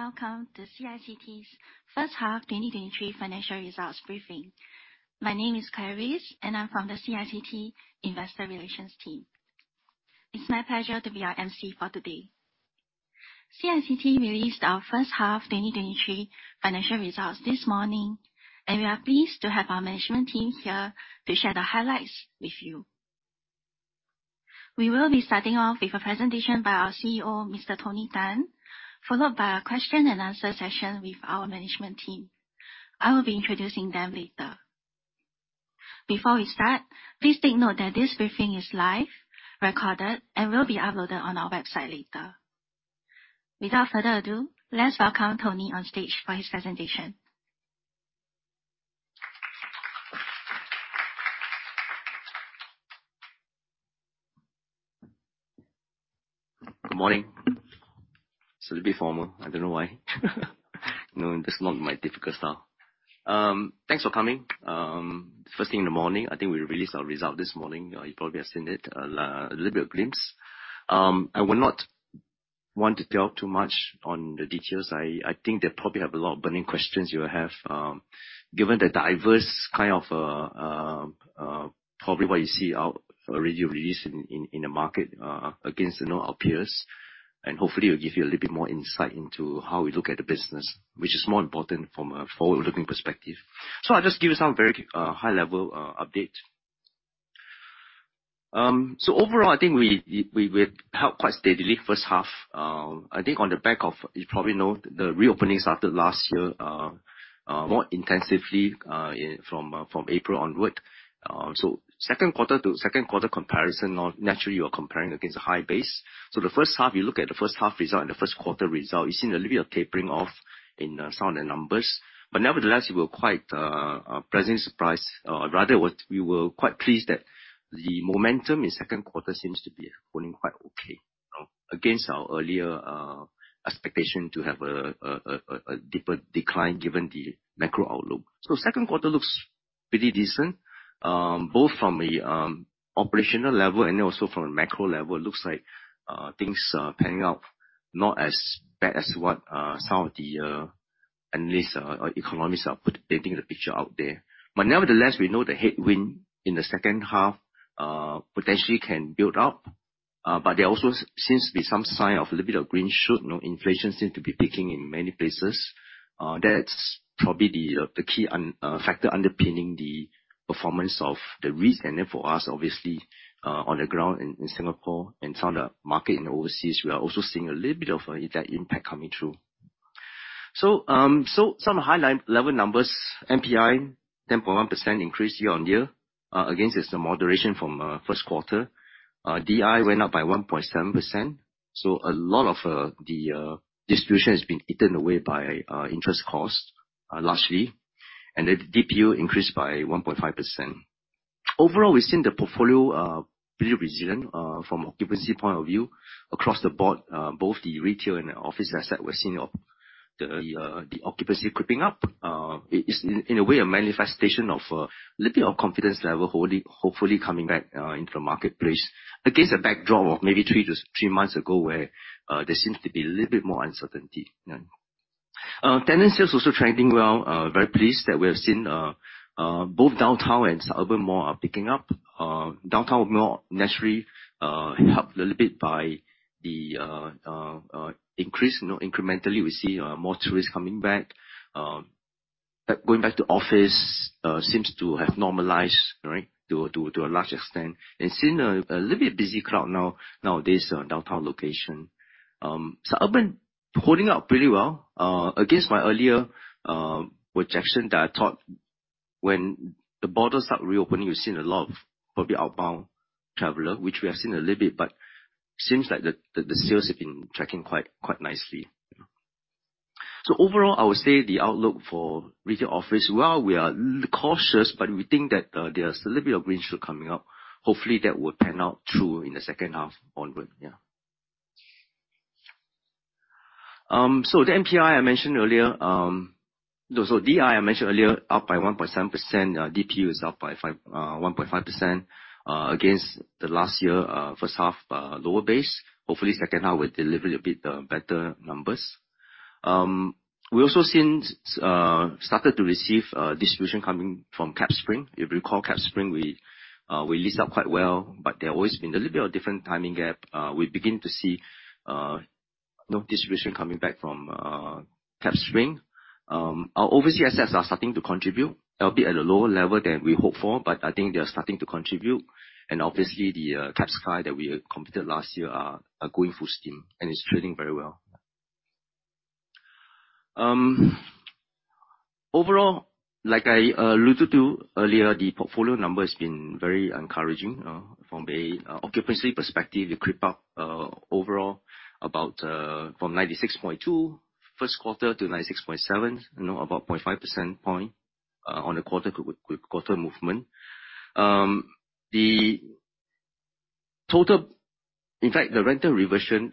Welcome to CICT's first half 2023 financial results briefing. My name is Clarisse, and I'm from the CICT Investor Relations team. It's my pleasure to be your MC for today. CICT released our first half 2023 financial results this morning, and we are pleased to have our management team here to share the highlights with you. We will be starting off with a presentation by our CEO, Mr. Tony Tan, followed by a question and answer session with our management team. I will be introducing them later. Before we start, please take note that this briefing is live, recorded, and will be uploaded on our website later. Without further ado, let's welcome Tony on stage for his presentation. Good morning. It's a little bit formal, I don't know why. No, that's not my typical style. Thanks for coming. First thing in the morning, I think we released our results this morning. You probably have seen it, a little bit of glimpse. I would not want to dwell too much on the details. I think they probably have a lot of burning questions you have, given the diverse kind of, probably what you see already released in the market against our peers. Hopefully, it'll give you a little bit more insight into how we look at the business, which is more important from a forward-looking perspective. I'll just give you some very high-level updates. Overall, I think we've held quite steadily first half. I think on the back of, you probably know, the reopening started last year, more intensively from April onward. Second quarter to second quarter comparison, now naturally you are comparing against a high base. The first half, you look at the first half result and the first quarter result, you've seen a little bit of tapering off in some of the numbers. Nevertheless, we were quite a pleasant surprise. Rather, we were quite pleased that the momentum in second quarter seems to be holding quite okay against our earlier expectation to have a deeper decline given the macro outlook. Second quarter looks pretty decent, both from an operational level and also from a macro level. It looks like things are panning out not as bad as what some of the analysts or economists are painting the picture out there. Nevertheless, we know the headwind in the second half potentially can build up. There also seems to be some sign of a little bit of green shoot. Inflation seems to be peaking in many places. That's probably the key factor underpinning the performance of the REITs. Then for us, obviously, on the ground in Singapore and some of the markets overseas, we are also seeing a little bit of that impact coming through. Some high-level numbers. NPI, 10.1% increase year on year. Again, it's a moderation from first quarter. DI went up by 1.7%. A lot of the distribution has been eaten away by interest costs, largely. The DPU increased by 1.5%. Overall, we've seen the portfolio pretty resilient from occupancy point of view across the board. Both the retail and the office asset, we're seeing the occupancy creeping up. It's in a way a manifestation of a little bit of confidence level, hopefully coming back into the marketplace against the backdrop of maybe three months ago, where there seems to be a little bit more uncertainty. Tenant sales also trending well. Very pleased that we have seen both downtown and suburban mall are picking up. Downtown mall necessarily helped a little bit by the increase. Incrementally, we see more tourists coming back. Going back to office, seems to have normalized, right, to a large extent. Seeing a little bit busy crowd nowadays downtown location. Suburban, holding up pretty well against my earlier projection that I thought when the borders start reopening, you've seen a lot of probably outbound traveler, which we have seen a little bit, but seems like the sales have been tracking quite nicely. Overall, I would say the outlook for retail office, while we are cautious, but we think that there's a little bit of green shoot coming up. Hopefully, that will pan out true in the second half onward. The NPI I mentioned earlier. DI, I mentioned earlier, up by 1.7%. DPU is up by 1.5% against the last year, first half lower base. Hopefully, second half will deliver a bit better numbers. We also started to receive distribution coming from CapitaSpring. If you recall, CapitaSpring, we leased up quite well, but there always been a little bit of different timing gap. We begin to see distribution coming back from CapitaSpring. Our overseas assets are starting to contribute, a bit at a lower level than we hoped for, but I think they are starting to contribute. Obviously, the CapitaSky that we completed last year are going full steam and it's trading very well. Overall, like I alluded to earlier, the portfolio number has been very encouraging. From an occupancy perspective, it creep up overall about from 96.2% first quarter to 96.7%, about 0.5% point on the quarter movement. In fact, the rental reversion,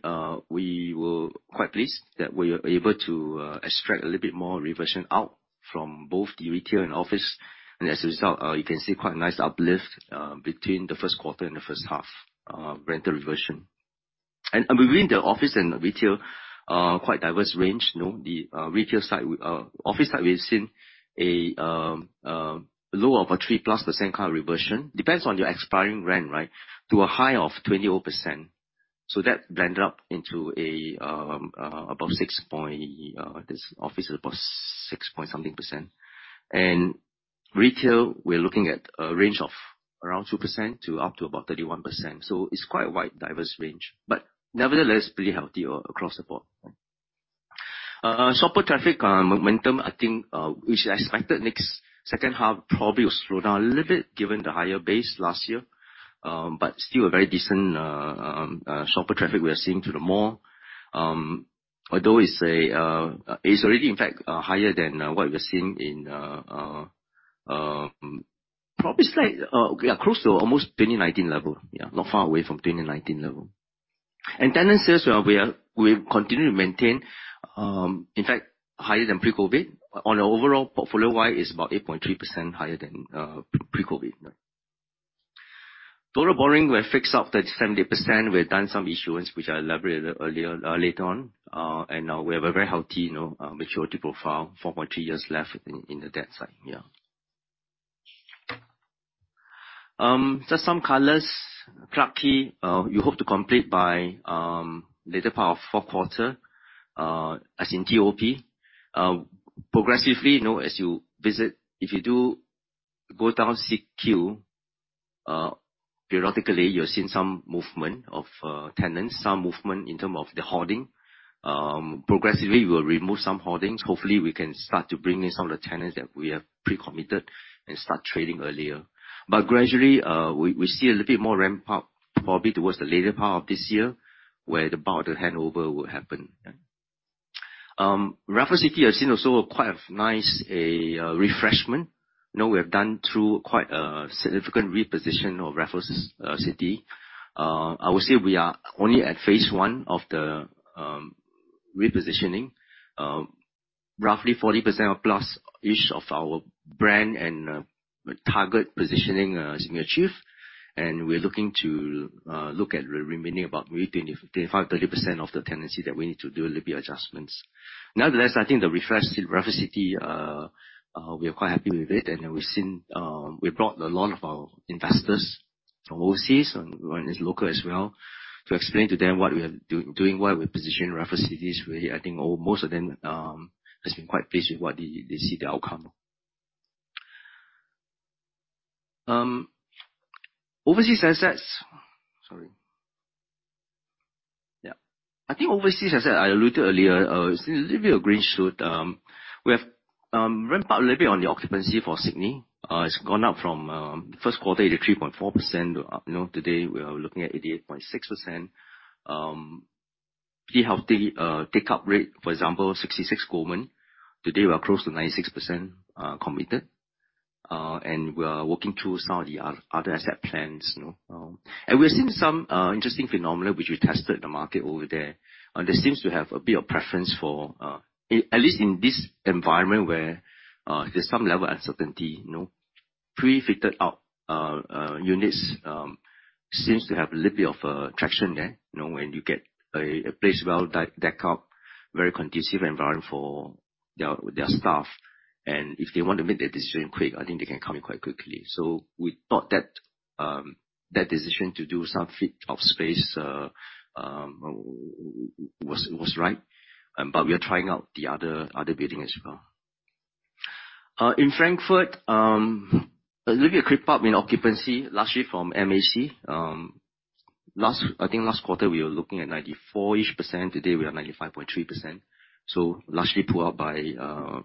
we were quite pleased that we were able to extract a little bit more reversion out from both the retail and office. As a result, you can see quite a nice uplift between the first quarter and the first half rental reversion. Between the office and retail, quite diverse range. The office side, we've seen a low of a 3%+ kind of reversion. Depends on your expiring rent, to a high of 20-odd %. That blended up into office above 6-point-something percent. Retail, we're looking at a range of around 2% to up to about 31%. It's quite a wide diverse range, but nevertheless, pretty healthy across the board. Shopper traffic momentum, I think, which I expected next second half probably will slow down a little bit given the higher base last year. Still a very decent shopper traffic we are seeing to the mall. Although it's already, in fact, higher than what we're seeing in, probably slight, close to almost 2019 level. Not far away from 2019 level. Tenant sales, we continue to maintain, in fact, higher than pre-COVID. On an overall portfolio-wide is about 8.3% higher than pre-COVID. Total borrowing, we have fixed up that 70%. We've done some issuance, which I'll elaborate a little later on. Now we have a very healthy maturity profile, 4.3 years left in the debt side. Just some colors. CQ @ Clarke Quay, we hope to complete by later part of fourth quarter, as in TOP. Progressively, as you visit, if you do go down CQ @ Clarke Quay, periodically, you're seeing some movement of tenants, some movement in terms of the hoarding. Progressively, we'll remove some hoardings. Hopefully, we can start to bring in some of the tenants that we have pre-committed and start trading earlier. Gradually, we see a little bit more ramp-up probably towards the later part of this year, where the bulk of the handover will happen. Raffles City has seen also quite a nice refreshment. We have done through quite a significant reposition of Raffles City. I would say we are only at phase 1 of the repositioning. Roughly 40%+ each of our brand and target positioning has been achieved, and we're looking to look at the remaining about maybe 25%-30% of the tenancy that we need to do a little bit adjustments. Nevertheless, I think the refreshed Raffles City, we are quite happy with it. We brought a lot of our investors from overseas and local as well to explain to them what we are doing, why we position Raffles City this way. I think most of them has been quite pleased with what they see the outcome. Overseas assets. Sorry. Yeah. I think overseas asset, I alluded earlier, still a little bit of green shoot. We have ramped up a little bit on the occupancy for Sydney. It's gone up from first quarter, 83.4%. Today, we are looking at 88.6%. Pretty healthy take-up rate. For example, 66 Goulburn, today we are close to 96% committed. We are working through some of the other asset plans. We're seeing some interesting phenomena which we tested in the market over there. There seems to have a bit of preference for, at least in this environment where there's some level of uncertainty. Pre-fitted out units seems to have a little bit of a traction there, when you get a place well decked out, very conducive environment for their staff. If they want to make their decision quick, I think they can come in quite quickly. We thought that decision to do some fit-out space was right. We are trying out the other building as well. In Frankfurt, a little bit creep up in occupancy largely from MAC. I think last quarter we were looking at 94%-ish. Today, we are 95.3%. Largely pulled up by the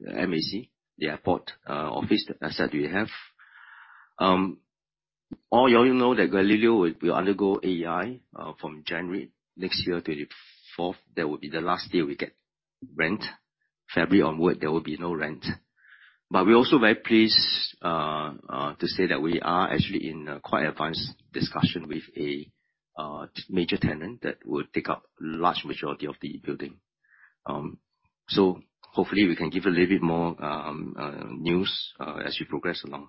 MAC, the airport office asset we have. All you know that Gallileo will undergo AEI from January next year, 2024. That will be the last year we get rent. February onward, there will be no rent. We're also very pleased to say that we are actually in a quite advanced discussion with a major tenant that would take up large majority of the building. Hopefully we can give a little bit more news as we progress along.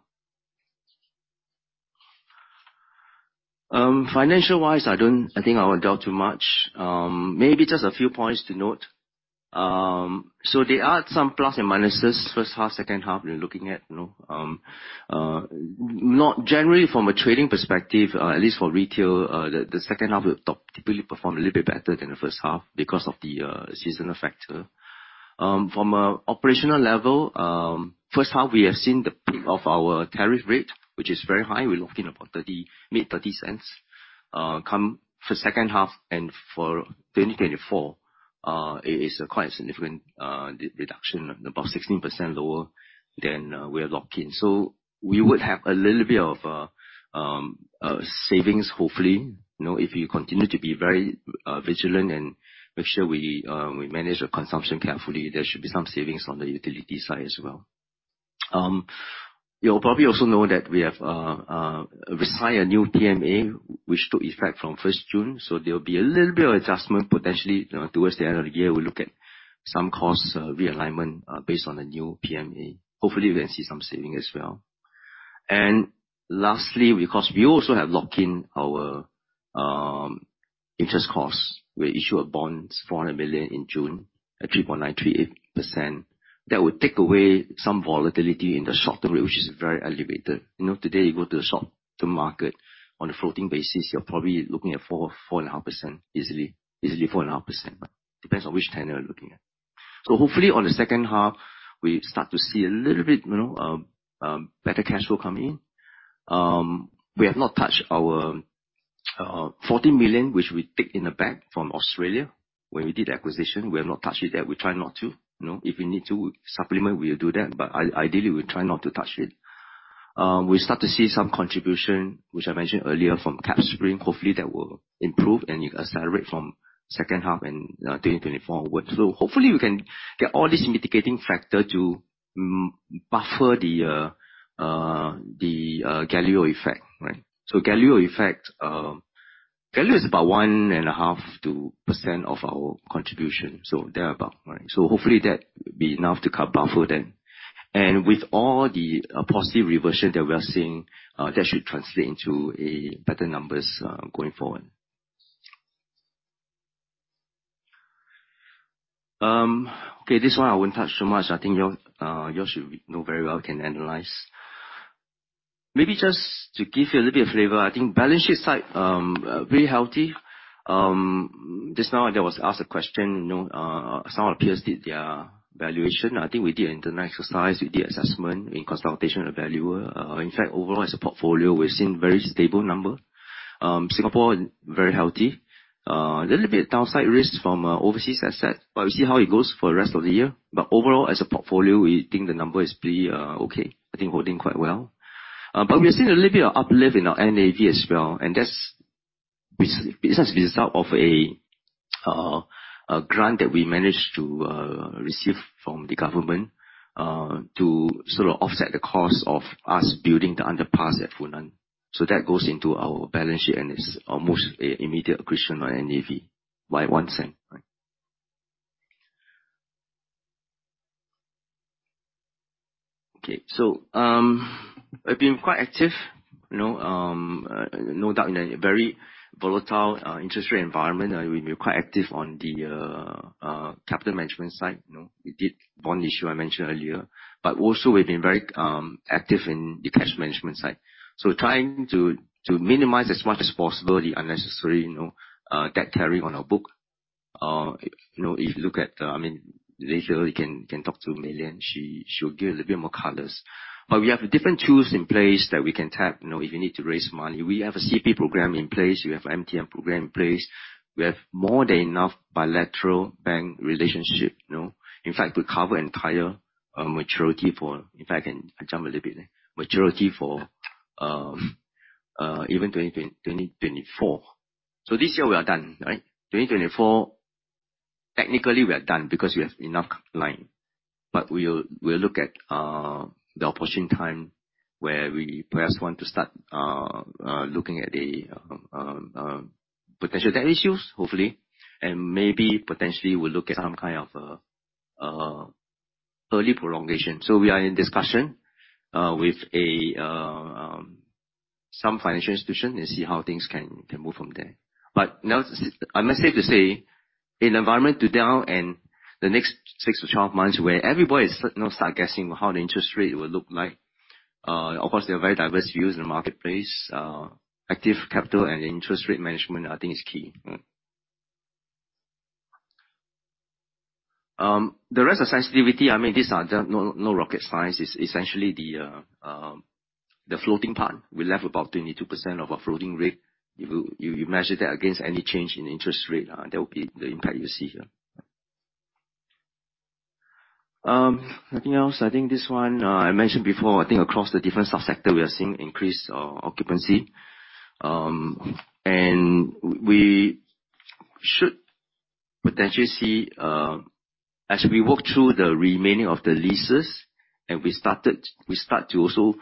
Financial-wise, I think I won't delve too much. Maybe just a few points to note. There are some plus and minuses, first half, second half we're looking at. Generally, from a trading perspective, at least for retail, the second half will typically perform a little bit better than the first half because of the seasonal factor. From an operational level, first half, we have seen the peak of our tariff rate, which is very high. We locked in about mid-SGD 0.30. Come for second half and for 2024, it is a quite a significant reduction, about 16% lower than we are locked in. We would have a little bit of savings, hopefully. If we continue to be very vigilant and make sure we manage the consumption carefully, there should be some savings on the utility side as well. You'll probably also know that we have signed a new PMA, which took effect from 1st June, so there will be a little bit of adjustment potentially towards the end of the year. We'll look at some cost realignment based on the new PMA. Hopefully, we can see some saving as well. Lastly, because we also have locked in our interest costs. We issued bonds, 400 million in June at 3.938%. That would take away some volatility in the shorter rate, which is very elevated. Today, you go to the short-term market on a floating basis, you're probably looking at 4.5% easily. Easily 4.5%, but depends on which tenor you're looking at. Hopefully, on the second half, we start to see a little bit better cash flow coming in. We have not touched our 40 million, which we take in the bank from Australia when we did the acquisition. We have not touched it there. We try not to. If we need to supplement, we'll do that, but ideally, we try not to touch it. We start to see some contribution, which I mentioned earlier, from CapitaSpring. Hopefully, that will improve and accelerate from second half in 2024 onwards. Hopefully, we can get all these mitigating factor to buffer the Gallileo effect. Gallileo effect, Gallileo is about 1.52% of our contribution, so thereabout. Hopefully that would be enough to buffer then. And with all the policy reversion that we are seeing, that should translate into better numbers going forward. Okay, this one I won't touch so much. I think you all should know very well, can analyze. Maybe just to give you a little bit of flavor, I think balance sheet side, very healthy. Just now I was asked a question, some of our peers did their valuation. I think we did an internal exercise. We did assessment in consultation with a valuer. In fact, overall as a portfolio, we've seen very stable number. Singapore, very healthy. A little bit downside risk from overseas asset, but we'll see how it goes for the rest of the year. But overall, as a portfolio, we think the number is pretty okay. I think holding quite well. But we've seen a little bit of uplift in our NAV as well, and that's just result of a grant that we managed to receive from the government to sort of offset the cost of us building the underpass at Funan. That goes into our balance sheet, and it's almost immediate accretion on NAV by 0.01. Okay. We've been quite active. No doubt in a very volatile interest rate environment, we've been quite active on the capital management side. We did bond issue, I mentioned earlier. Also we've been very active in the cash management side. Trying to minimize as much as possible the unnecessary debt carry on our book. If you look at the Later you can talk to Mei Lian, she will give a little bit more colors. We have different tools in place that we can tap if you need to raise money. We have a CP program in place. We have MTN program in place. We have more than enough bilateral bank relationship. In fact, we cover entire maturity for, if I can jump a little bit, maturity for even 2024. This year we are done. 2024, technically we are done because we have enough line. We'll look at the opportune time where we perhaps want to start looking at the potential debt issues, hopefully, and maybe potentially we'll look at some kind of early prolongation. We are in discussion with some financial institution and see how things can move from there. I must say, in the environment today and the next 6-12 months where everybody start guessing how the interest rate will look like, of course, there are very diverse views in the marketplace. Active capital and interest rate management, I think is key. The rest are sensitivity. These are no rocket science. It's essentially the floating part. We left about 22% of our floating rate. If you measure that against any change in interest rate, that will be the impact you see here. Nothing else. I think this one, I mentioned before, I think across the different subsector, we are seeing increased occupancy. We should potentially see, as we walk through the remaining of the leases and we start to also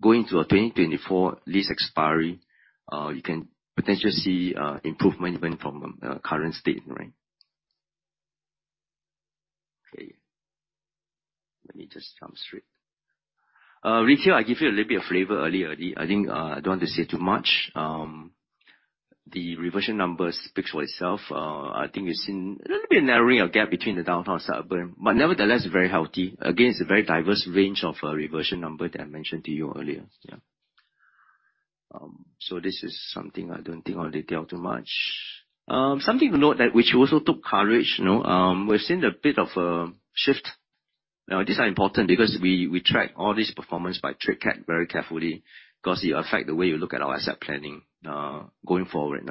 go into our 2024 lease expiry, you can potentially see improvement even from current state. Okay. Let me just jump straight. Retail, I give you a little bit of flavor earlier. I think I don't want to say too much. The reversion number speaks for itself. I think we've seen a little bit narrowing of gap between the downtown suburban, nevertheless, very healthy. Again, it's a very diverse range of reversion number that I mentioned to you earlier. This is something I don't think I'll detail too much. Something to note that which also took courage, we've seen a bit of a shift. These are important because we track all this performance by trade cat very carefully because it affect the way we look at our asset planning going forward.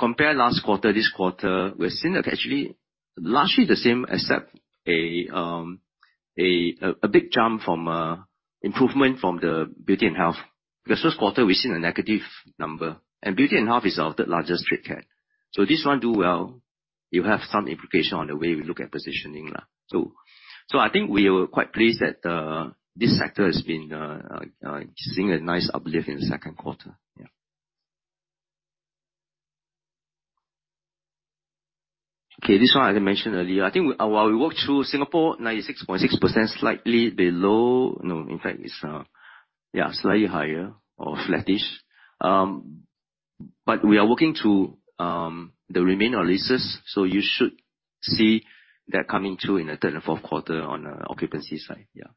Compare last quarter, this quarter, we've seen that actually largely the same except a big jump from improvement from the beauty and health. First quarter, we've seen a negative number, and beauty and health is our third largest trade cat. This one do well, you have some implication on the way we look at positioning. I think we were quite pleased that this sector has been seeing a nice uplift in the second quarter. Yeah. Okay, this one I mentioned earlier. I think while we walk through Singapore, 96.6%, slightly below. No, in fact, it's slightly higher or flattish. We are working to the remainder leases, so you should see that coming through in the third and fourth quarter on the occupancy side. Yeah.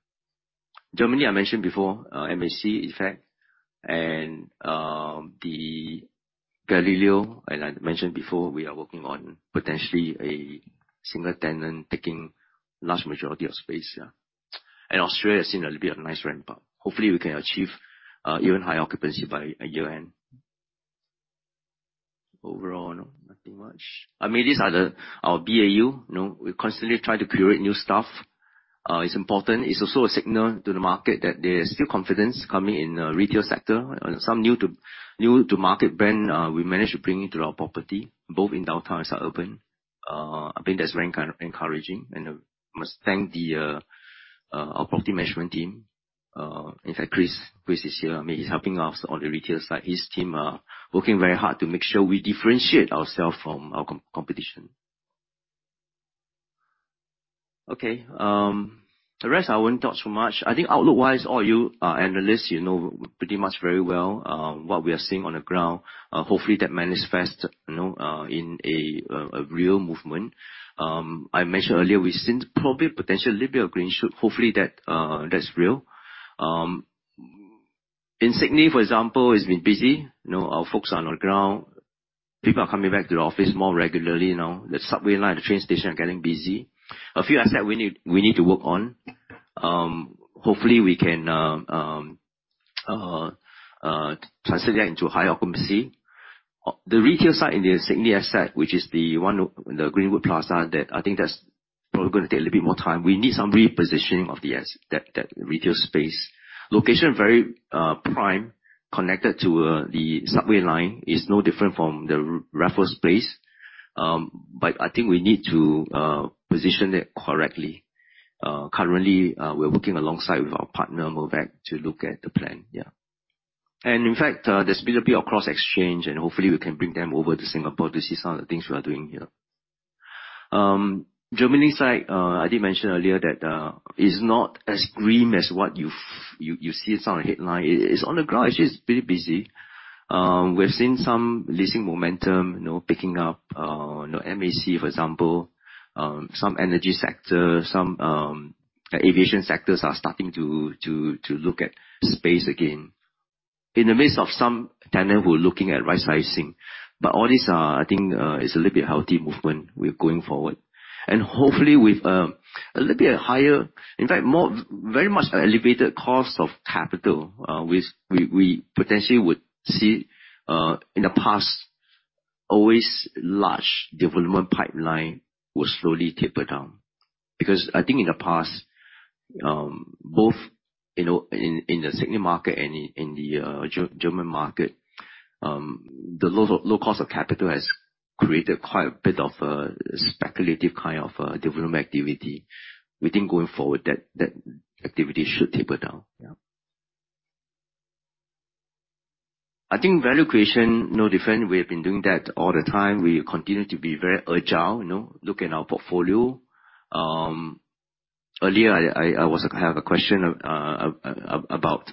Germany, I mentioned before, Main Airport Center effect and the Gallileo, I mentioned before, we are working on potentially a single tenant taking large majority of space. Australia has seen a little bit of nice ramp up. Hopefully, we can achieve even higher occupancy by year-end. Overall, nothing much. These are our BAU. We constantly try to curate new stuff. It's important. It's also a signal to the market that there's still confidence coming in the retail sector. Some new-to-market brand we managed to bring into our property, both in downtown and suburban. I think that's very encouraging, and I must thank our property management team. In fact, Chris is here. He's helping us on the retail side. His team are working very hard to make sure we differentiate ourselves from our competition. The rest I won't talk so much. I think outlook-wise, all you analysts, you know pretty much very well what we are seeing on the ground. Hopefully, that manifests in a real movement. I mentioned earlier, we've seen probably potentially a little bit of green shoot. Hopefully, that's real. In Sydney, for example, it's been busy. Our folks are on the ground. People are coming back to the office more regularly now. The subway line, the train station are getting busy. A few assets we need to work on. Hopefully, we can translate that into high occupancy. The retail side in the Sydney asset, which is the one in the Greenwood Plaza, I think that's probably going to take a little bit more time. We need some repositioning of that retail space. Location, very prime, connected to the subway line. It's no different from the Raffles Place, but I think we need to position it correctly. Currently, we are working alongside with our partner, Mirvac, to look at the plan. In fact, there's been a bit of cross exchange, and hopefully we can bring them over to Singapore to see some of the things we are doing here. Germany side, I did mention earlier that it's not as grim as what you see it on the headline. On the ground, actually, it's pretty busy. We've seen some leasing momentum picking up. Main Airport Center, for example, some energy sector, some aviation sectors are starting to look at space again. In the midst of some tenants who are looking at rightsizing. All these are, I think, is a little bit healthy movement we're going forward. Hopefully with a little bit higher, in fact, very much an elevated cost of capital, we potentially would see in the past, always large development pipeline will slowly taper down. I think in the past, both in the Sydney market and in the German market, the low cost of capital has created quite a bit of a speculative kind of development activity. We think going forward, that activity should taper down. I think value creation, no different. We have been doing that all the time. We continue to be very agile. Look at our portfolio. Earlier, I have a question about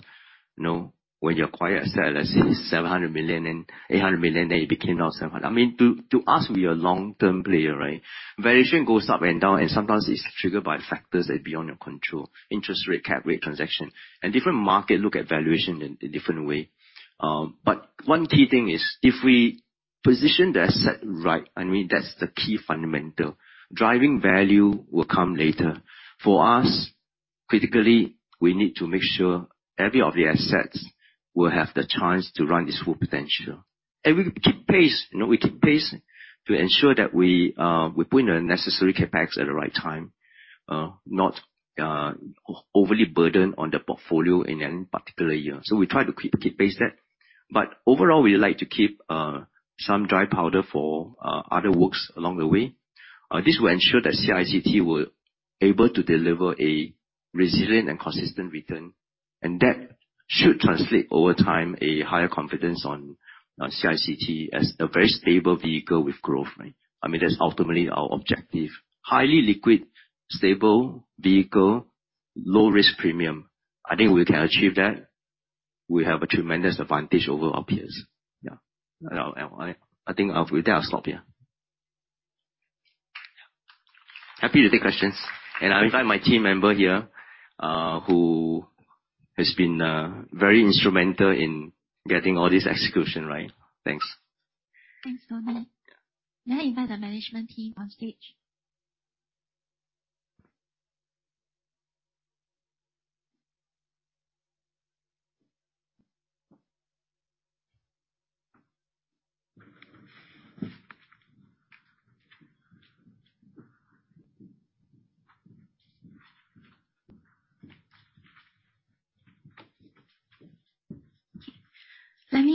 when you acquire asset, let's say it's 700 million, then 800 million, then it became now 700 million. To us, we are a long-term player, right? Valuation goes up and down, and sometimes it's triggered by factors that are beyond your control. Interest rate, cap rate, transaction, and different market look at valuation in different way. One key thing is, if we position the asset right, that's the key fundamental. Driving value will come later. For us, critically, we need to make sure every of the assets will have the chance to run its full potential. We keep pace to ensure that we put in the necessary CapEx at the right time, not overly burdened on the portfolio in any particular year. We try to keep pace there. Overall, we like to keep some dry powder for other works along the way. This will ensure that CICT will able to deliver a resilient and consistent return, and that should translate over time a higher confidence on CICT as a very stable vehicle with growth. That's ultimately our objective. Highly liquid, stable vehicle, low-risk premium. I think if we can achieve that, we have a tremendous advantage over our peers. With that, I'll stop here. Happy to take questions. I invite my team member here, who has been very instrumental in getting all this execution right. Thanks. Thanks, Tony Tan. May I invite the management team on stage?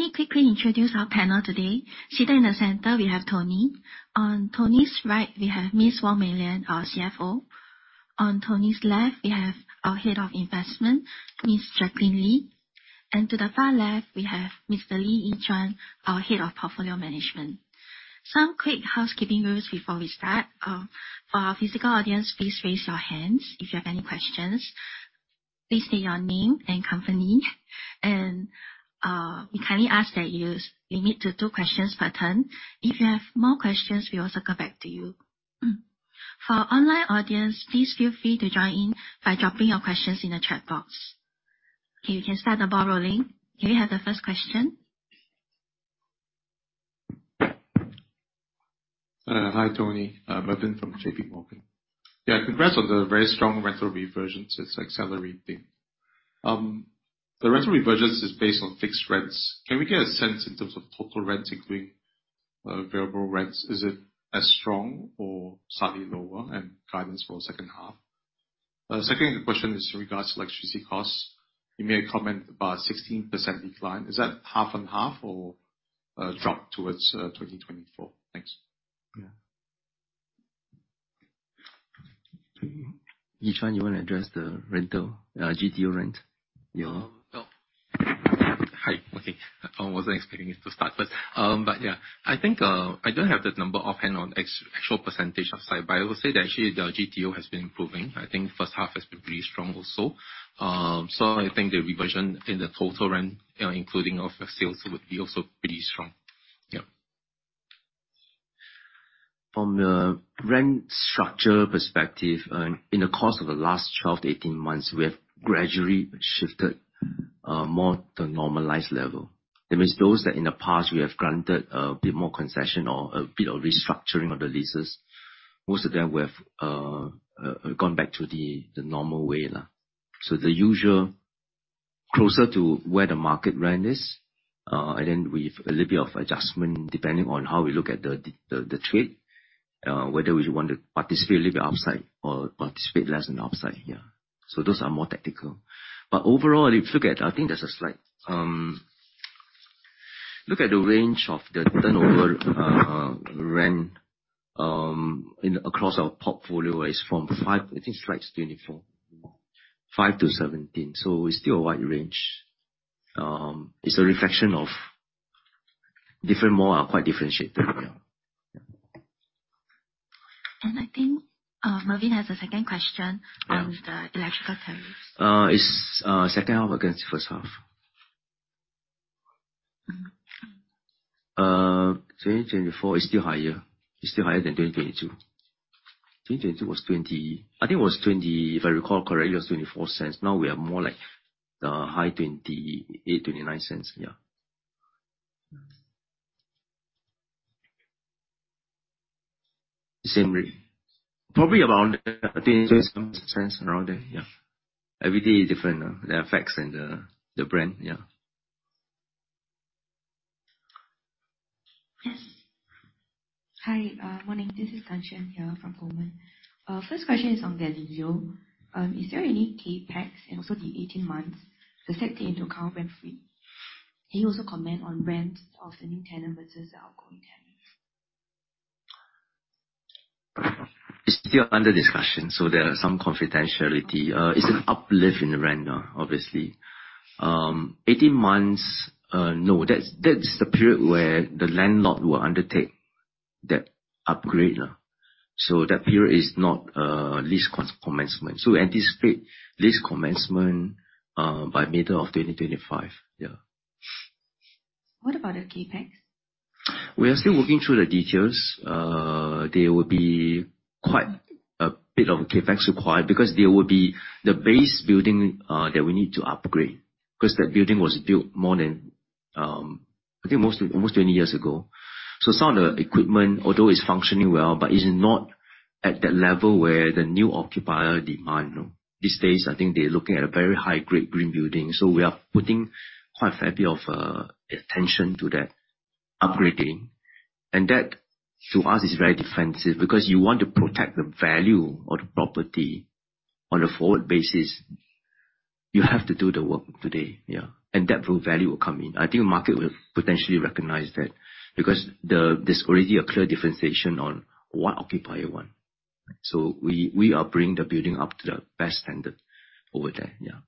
Let me quickly introduce our panel today. Seated in the center, we have Tony. On Tony's right, we have Ms. Wong Mei Lian, our CFO. On Tony's left, we have our Head of Investment, Ms. Jacqueline Lee. To the far left, we have Mr. Lee Yi Zhuan, our Head of Portfolio Management. Some quick housekeeping rules before we start. For our physical audience, please raise your hands if you have any questions. Please state your name and company, and we kindly ask that you limit to two questions per turn. If you have more questions, we also come back to you. For our online audience, please feel free to join in by dropping your questions in the chat box. We can start the ball rolling. Do we have the first question? Hi, Tony. Mervin from JPMorgan. Congrats on the very strong rental reversions. It's accelerating. The rental reversions is based on fixed rents. Can we get a sense in terms of total rent, including the variable rents? Is it as strong or slightly lower and guidance for the second half? Second question is in regards to electricity costs. You made a comment about a 16% decline. Is that half and half or a drop towards 2024? Thanks. Yeah. Yi Zhuan, you want to address the GTO rent? Oh, hi. Okay. I wasn't expecting it to start first. Yeah, I think I don't have the number offhand on actual percentage of site. I would say that actually the GTO has been improving. I think first half has been pretty strong also. I think the reversion in the total rent, including of sales, would be also pretty strong. Yeah. From the rent structure perspective, in the course of the last 12-18 months, we have gradually shifted more to normalized level. There was those that in the past we have granted a bit more concession or a bit of restructuring of the leases. Most of them we have gone back to the normal way. The usual, closer to where the market rent is, and then with a little bit of adjustment depending on how we look at the trade, whether we want to participate a little bit upside or participate less in the upside. Yeah. Those are more tactical. Overall, if you look at, I think there's a Look at the range of the turnover rent across our portfolio is from five, I think Slide 24. 5-17. It's still a wide range. It's a reflection of different mall are quite different shape. Yeah. I think Mervin has a second question. Yeah on the electrical tariffs. It's second half against first half. 2024 is still higher. It's still higher than 2022. 2022, I think if I recall correctly, it was 0.24. Now we are more like high 0.28, 0.29. Yeah. Same rate. Probably around, I think 20-some cents around there. Yeah. Every day is different now. The effects and the trend. Yeah. Yes. Hi, morning. This is (Kan Qian) here from Goldman Sachs. First question is on Gallileo. Is there any CapEx and also the 18 months to take into account rent-free? Can you also comment on rent of the new tenant versus the outgoing tenant? It's still under discussion, there are some confidentiality. It's an uplift in the rent now, obviously. 18 months, no. That's the period where the landlord will undertake that upgrade. That period is not lease commencement. Anticipate lease commencement by middle of 2025. Yeah. What about the CapEx? We are still working through the details. There will be quite a bit of CapEx required because there will be the base building that we need to upgrade, because that building was built more than, I think almost 20 years ago. Some of the equipment, although it's functioning well, but it's not at that level where the new occupier demand. These days, I think they're looking at a very high-grade green building. We are putting quite a fair bit of attention to that upgrading. That to us is very defensive because you want to protect the value of the property on a forward basis. You have to do the work today. Yeah. That value will come in. I think market will potentially recognize that because there's already a clear differentiation on what occupier want. We are bringing the building up to the best standard over there. Yeah.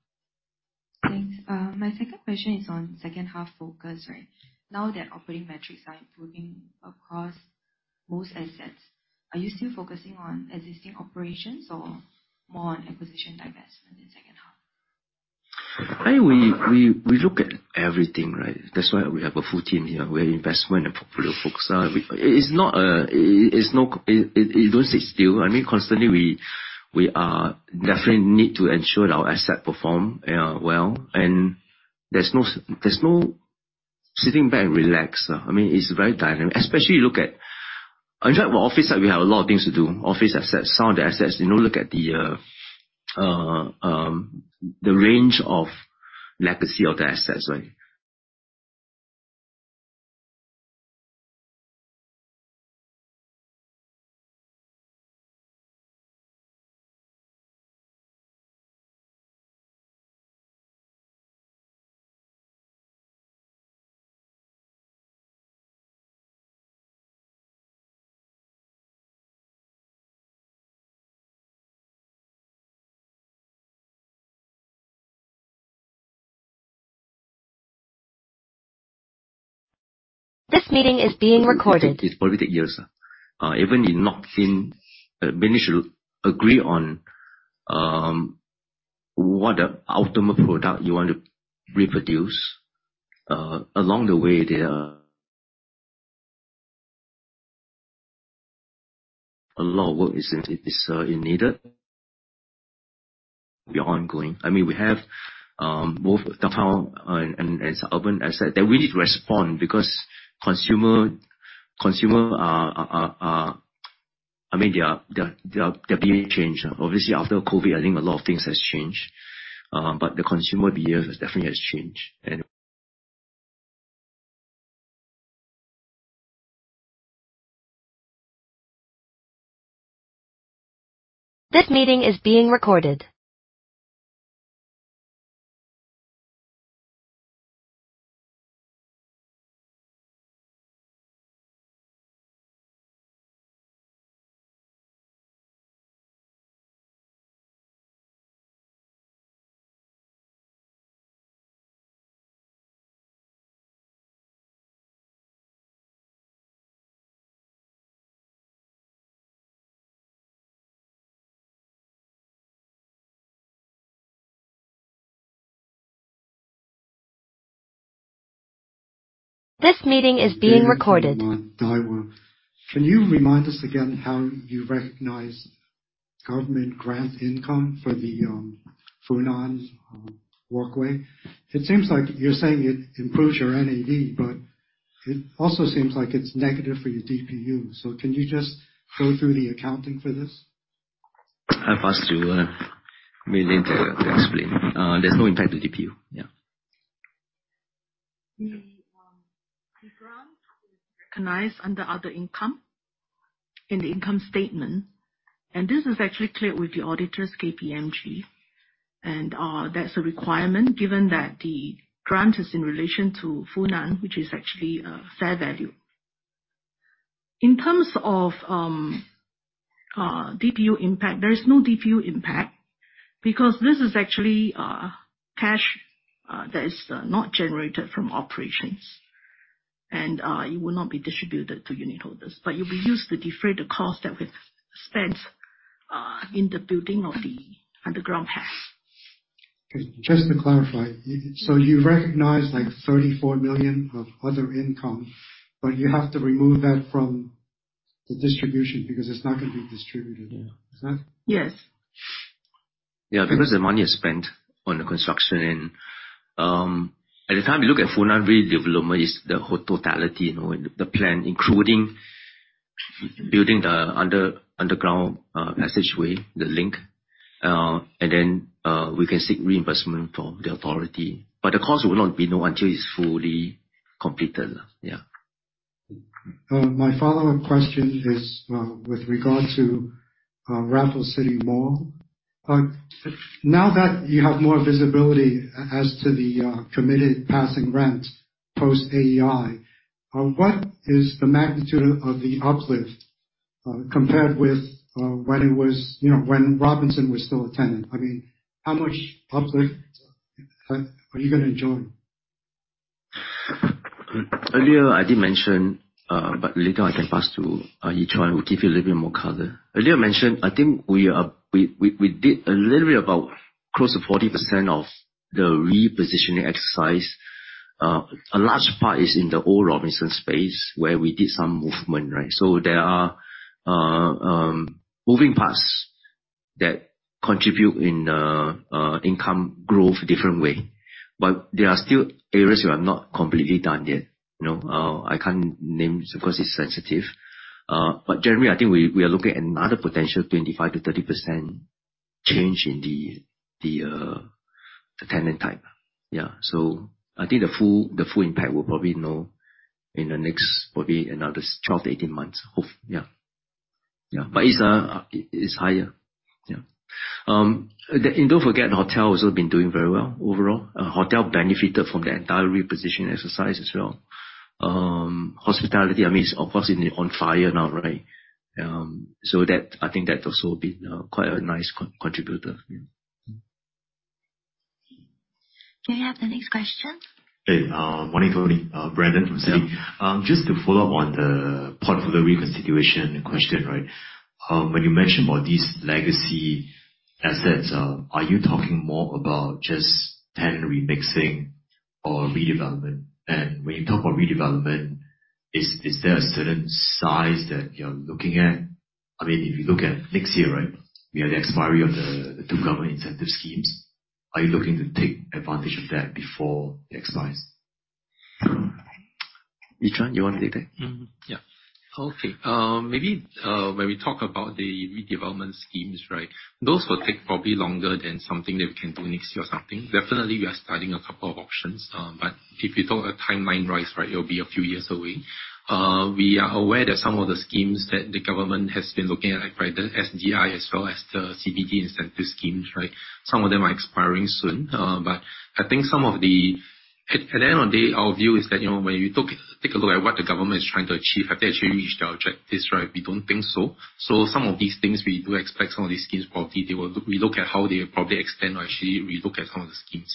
Thanks. My second question is on second half focus, right? Now that operating metrics are improving across most assets, are you still focusing on existing operations or more on acquisition divestment in second half? I think we look at everything, right? That's why we have a full team here. We have investment and portfolio folks. It doesn't sit still. I mean, constantly we definitely need to ensure our asset perform well, and there's no sitting back and relax. I mean, it's very dynamic. Especially you look at, in fact, our office side, we have a lot of things to do. Office assets, some of the assets, look at the range of legacy of the assets, right? This meeting is being recorded. It probably takes years. Even you not seem managed to agree on what the ultimate product you want to reproduce, along the way, there are a lot of work is needed. We are ongoing. We have both town and urban assets that we need to respond because consumer, their behavior changed. Obviously, after COVID, I think a lot of things have changed. The consumer behavior definitely has changed. This meeting is being recorded. David from Daiwa. Can you remind us again how you recognize government grant income for the Funan walkway? It seems like you're saying it improves your NAV, but it also seems like it's negative for your DPU. Can you just go through the accounting for this? I'll pass to Mei Lian to explain. There's no impact to DPU. The grant is recognized under other income in the income statement. This is actually cleared with the auditors, KPMG. That's a requirement given that the grant is in relation to Funan, which is actually a fair value. In terms of DPU impact, there is no DPU impact because this is actually cash that is not generated from operations. It will not be distributed to unit holders, but it will be used to defray the cost that we've spent in the building of the underground path. Okay. Just to clarify, so you recognize 34 million of other income, but you have to remove that from the distribution because it's not going to be distributed. Is that? Yes. Yeah, because the money is spent on the construction. At the time you look at Funan redevelopment is the whole totality, the plan including building the underground passageway, the link. Then, we can seek reimbursement for the authority. The cost will not be known until it's fully completed. Yeah. My follow-up question is with regard to Raffles City Mall. Now that you have more visibility as to the committed passing rent post-AEI, what is the magnitude of the uplift compared with when Robinsons was still a tenant? How much uplift are you going to enjoy? Earlier, I did mention, but later I can pass to Yi Zhuan, who give you a little bit more color. Earlier, I mentioned, I think we did a little bit about close to 40% of the repositioning exercise. A large part is in the old Robinsons space where we did some movement. There are moving parts that contribute in income growth different way. There are still areas we are not completely done yet. I can't name because it's sensitive. Generally, I think we are looking at another potential 25%-30% change in the tenant type. Yeah. I think the full impact we'll probably know in the next probably another 12-18 months, hope. Yeah. It's higher. Yeah. Don't forget, hotel has also been doing very well overall. Hotel benefited from the entire repositioning exercise as well. Hospitality, of course, is on fire now, right? I think that also will be quite a nice contributor. Yeah. Do you have the next question? Hey. Morning, everybody. Brandon from Citi. Just to follow up on the portfolio reconstitution question. When you mention about these legacy assets, are you talking more about just tenant remixing or redevelopment? When you talk about redevelopment, is there a certain size that you're looking at? If you look at next year, we have the expiry of the two government incentive schemes. Are you looking to take advantage of that before the expiry? Yi Zhuan, you want to take that? Mm-hmm. Yeah. Okay. Maybe when we talk about the redevelopment schemes, those will take probably longer than something that we can do next year or something. Definitely, we are studying a couple of options. If you talk a timeline, it will be a few years away. We are aware that some of the schemes that the government has been looking at, like the SDI as well as the CBD incentive schemes, some of them are expiring soon. I think at the end of the day, our view is that when you take a look at what the government is trying to achieve, have they actually reached their objectives? We don't think so. Some of these things, we do expect some of these schemes, probably, we look at how they probably extend or actually relook at some of the schemes.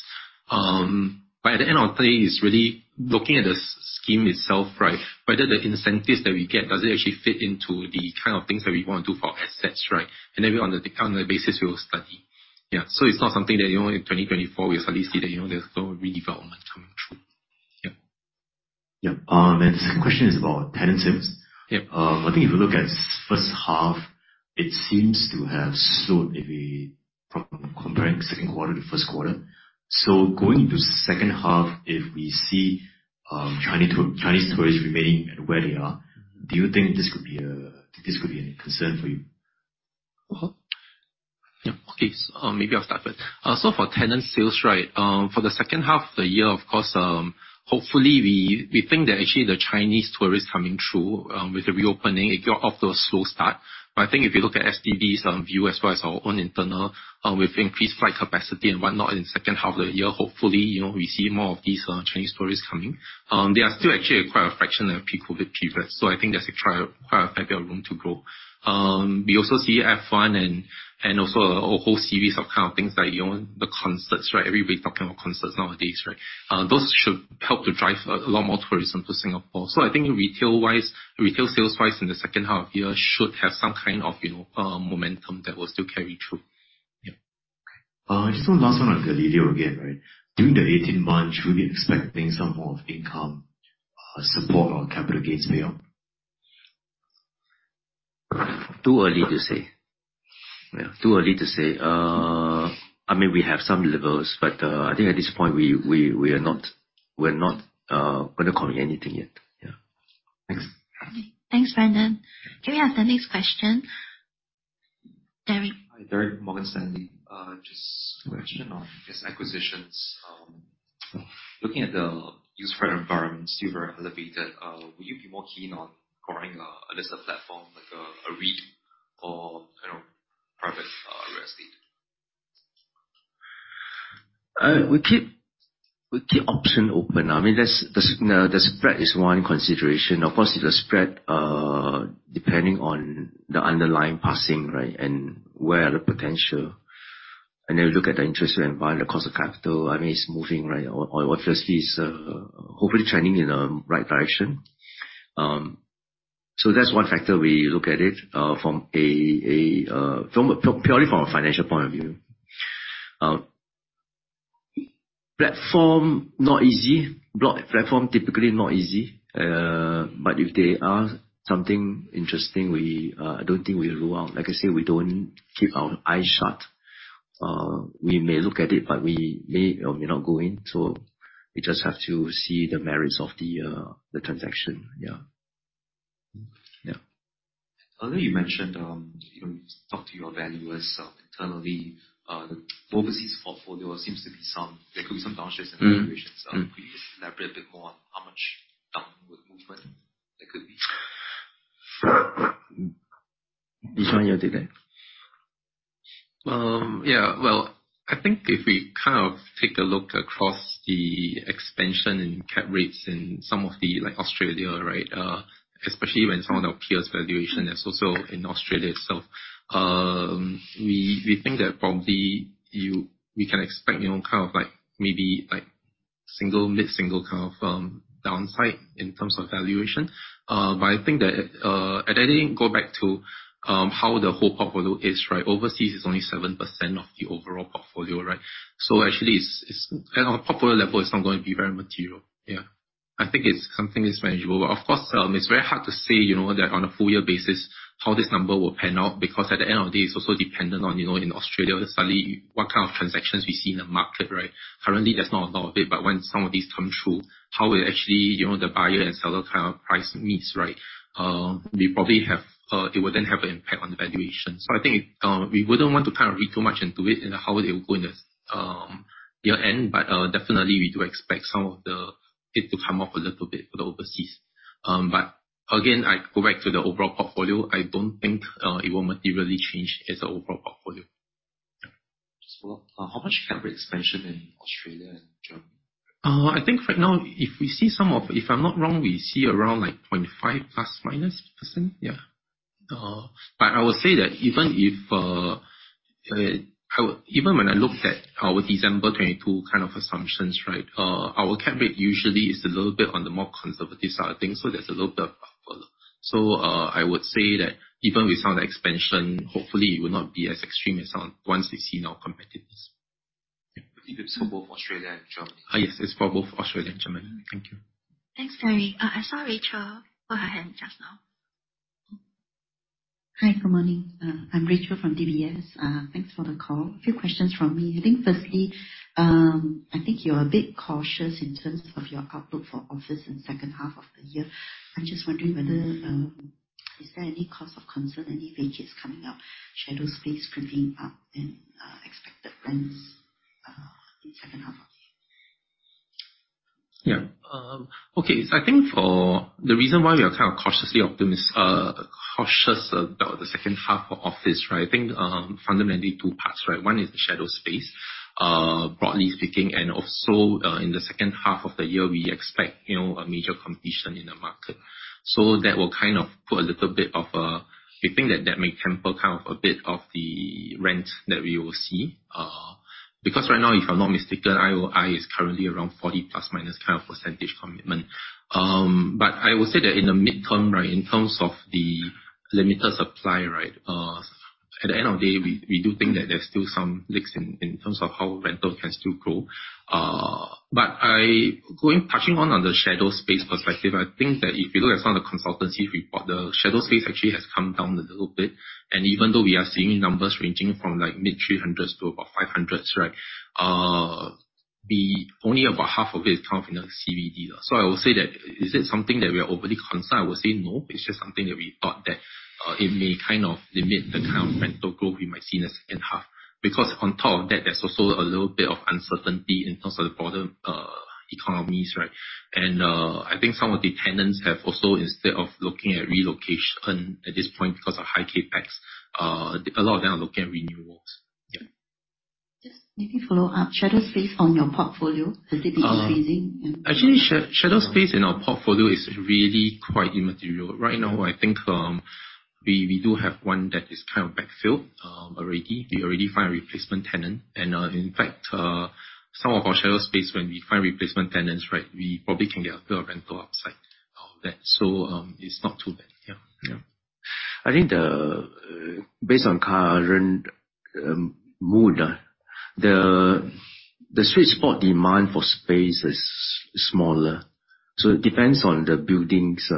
At the end of the day, it is really looking at the scheme itself. Whether the incentives that we get, does it actually fit into the kind of things that we want to do for our assets? On the basis we will study. Yeah. It is not something that in 2024 we suddenly see that there is no redevelopment coming through. Yeah. Yeah. The second question is about tenant sales. Yeah. I think if you look at first half, it seems to have slowed from comparing second quarter to first quarter. Going into second half, if we see Chinese tourists remaining where they are, do you think this could be a concern for you? Okay. Maybe I'll start first. For tenant sales, for the second half of the year, of course, hopefully, we think that actually the Chinese tourists coming through with the reopening, it got off to a slow start. I think if you look at STB's view, as well as our own internal, with increased flight capacity and whatnot in the second half of the year, hopefully, we see more of these Chinese tourists coming. They are still actually quite a fraction of pre-COVID periods, I think there's quite a fair bit of room to grow. We also see F1 and also a whole series of things like the concerts. Everybody's talking about concerts nowadays, right? Those should help to drive a lot more tourism to Singapore. I think retail sales-wise in the second half of the year should have some kind of momentum that will still carry through. Just one last one on the Gallileo again. During the 18 months, should we be expecting some more of income support on capital gains payout? Too early to say. Too early to say. We have some levels, I think at this point we're not going to comment anything yet. Thanks. Thanks, Brandon. Can we have the next question? Derek. Hi, Derek, Morgan Stanley. Just a question on these acquisitions. Looking at the interest rate environment, still very elevated, will you be more keen on acquiring a listed platform, like a REIT or private real estate? We keep options open. The spread is one consideration. Of course, it's a spread depending on the underlying pricing and where are the potential. Then we look at the interest rate environment, the cost of capital. It's moving. Firstly, it's hopefully trending in the right direction. That's one factor we look at it, purely from a financial point of view. Platform, not easy. Platform, typically not easy. If they are something interesting, I don't think we rule out. Like I said, we don't keep our eyes shut. We may look at it, but we may or may not go in. We just have to see the merits of the transaction. Yeah. Earlier you mentioned, you talked to your valuers internally. The overseas portfolio seems there could be some downside risks and valuations. Could you elaborate a bit more on how much downward movement there could be? Yi Zhuan, you want to take that? Well, I think if we take a look across the expansion in cap rates in some of the, like Australia. Especially when some of our peers valuation is also in Australia itself. We think that probably we can expect maybe mid-single kind of downside in terms of valuation. I think that at the end, go back to how the whole portfolio is. Overseas is only 7% of the overall portfolio. Actually, at our portfolio level, it's not going to be very material. I think it's something that's manageable. Of course, it's very hard to say, that on a full year basis, how this number will pan out, because at the end of the day, it's also dependent on, in Australia, suddenly what kind of transactions we see in the market. Currently, there's not a lot of it, when some of these come through, how will actually the buyer and seller price meets. It will have an impact on the valuation. I think we wouldn't want to read too much into it and how it will go in the year-end, but definitely we do expect some of it to come up a little bit for the overseas. Again, I go back to the overall portfolio. I don't think it will materially change as an overall portfolio. Yeah. How much cap rate expansion in Australia and Germany? I think right now, if I'm not wrong, we see around 0.5 ±%. Yeah. I would say that even when I looked at our December 2022 assumptions. Our cap rate usually is a little bit on the more conservative side of things, so there's a little bit of buffer. I would say that even with some of the expansion, hopefully it will not be as extreme as the ones we see in our competitors. Yeah. I think that's for both Australia and Germany. Yes. It's for both Australia and Germany. Thank you. Thanks, Derek. I saw Rachel put her hand just now. Hi. Good morning. I'm Rachel from DBS. Thanks for the call. A few questions from me. I think, firstly, I think you're a bit cautious in terms of your outlook for office in second half of the year. I'm just wondering whether, is there any cause for concern, any vacancies coming up, shadow space creeping up in expected rents in second half of the year? Yeah. Okay. I think the reason why we are kind of cautious about the second half for office, right? I think fundamentally two parts. One is the shadow space, broadly speaking, and also in the second half of the year, we expect a major competition in the market. We think that may temper a bit of the rent that we will see. Right now, if I'm not mistaken, IOI is currently around 40±% kind of percentage commitment. I would say that in the midterm, right, in terms of the limited supply, right, at the end of the day, we do think that there's still some legs in terms of how rental can still grow. Touching on the shadow space perspective, I think that if you look at some of the consultancy report, the shadow space actually has come down a little bit, and even though we are seeing numbers ranging from mid-300s to about 500s, right, only about half of it is coming from the CBD. I would say that, is it something that we are overly concerned? I would say no. It's just something that we thought that it may limit the kind of rental growth we might see in the second half, because on top of that, there's also a little bit of uncertainty in terms of the broader economies, right? I think some of the tenants have also, instead of looking at relocation at this point because of high CapEx, a lot of them are looking at renewals. Yeah. Just maybe follow up, shadow space on your portfolio, has it been increasing? Actually, shadow space in our portfolio is really quite immaterial. Right now, I think we do have one that is kind of backfilled already. We already found a replacement tenant, and, in fact, some of our shadow space, when we find replacement tenants, right, we probably can get a better rental outside of that. It's not too bad. Yeah. I think based on current mood, the sweet spot demand for space is smaller. It depends on the building's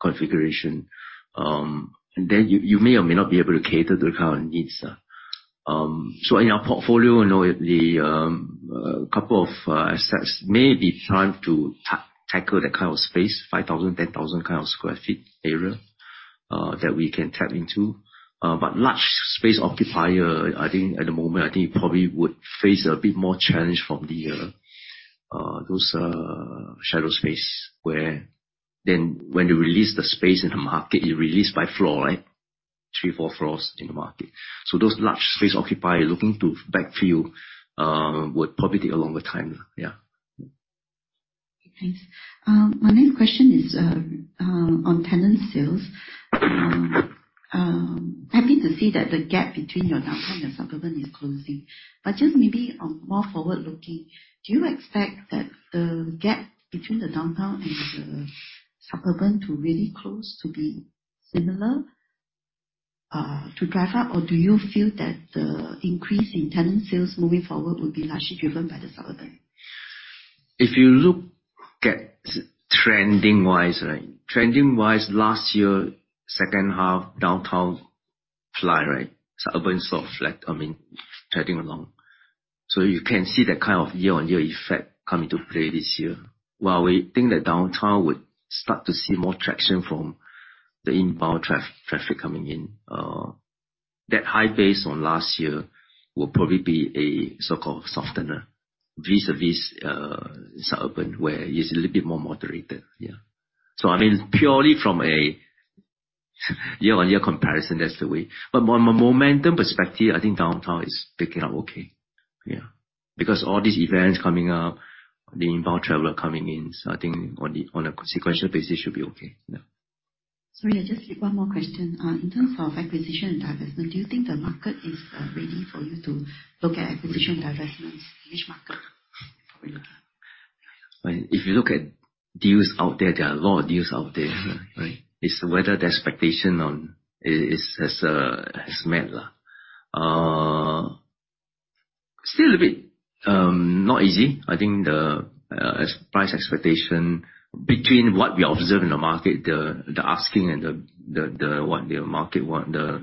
configuration, and then you may or may not be able to cater to the current needs. In our portfolio, the couple of assets may be trying to tackle that kind of space, 5,000 sq ft, 10,000 sq ft area, that we can tap into. Large space occupier, I think at the moment, I think probably would face a bit more challenge from those shadow space, where then when you release the space in the market, you release by floor, right? Three, four floors in the market. Those large space occupier looking to backfill would probably take a longer time. Yeah. Okay, thanks. My next question is on tenant sales. Happy to see that the gap between your downtown and suburban is closing. Just maybe on more forward-looking, do you expect that the gap between the downtown and the suburban to really close to be similar, to drive up? Do you feel that the increase in tenant sales moving forward will be largely driven by the suburban? If you look at trending-wise, right? Trending-wise, last year, second half, downtown fly, right? Suburban sort of flat. I mean, treading along. You can see that kind of year-on-year effect come into play this year. While we think that downtown would start to see more traction from the inbound traffic coming in, that high base on last year will probably be a so-called softener, vis-a-vis suburban, where it's a little bit more moderated. Yeah. I mean, purely from a year-on-year comparison, that's the way. From a momentum perspective, I think downtown is picking up okay. Yeah. Because all these events coming up, the inbound traveler coming in, I think on a sequential basis should be okay. Yeah. Sorry, just one more question. In terms of acquisition and divestment, do you think the market is ready for you to look at acquisition and divestments? Which market? If you look at deals out there are a lot of deals out there, right? It's whether the expectation has met. Still a bit not easy. I think the price expectation between what we observe in the market, the asking and what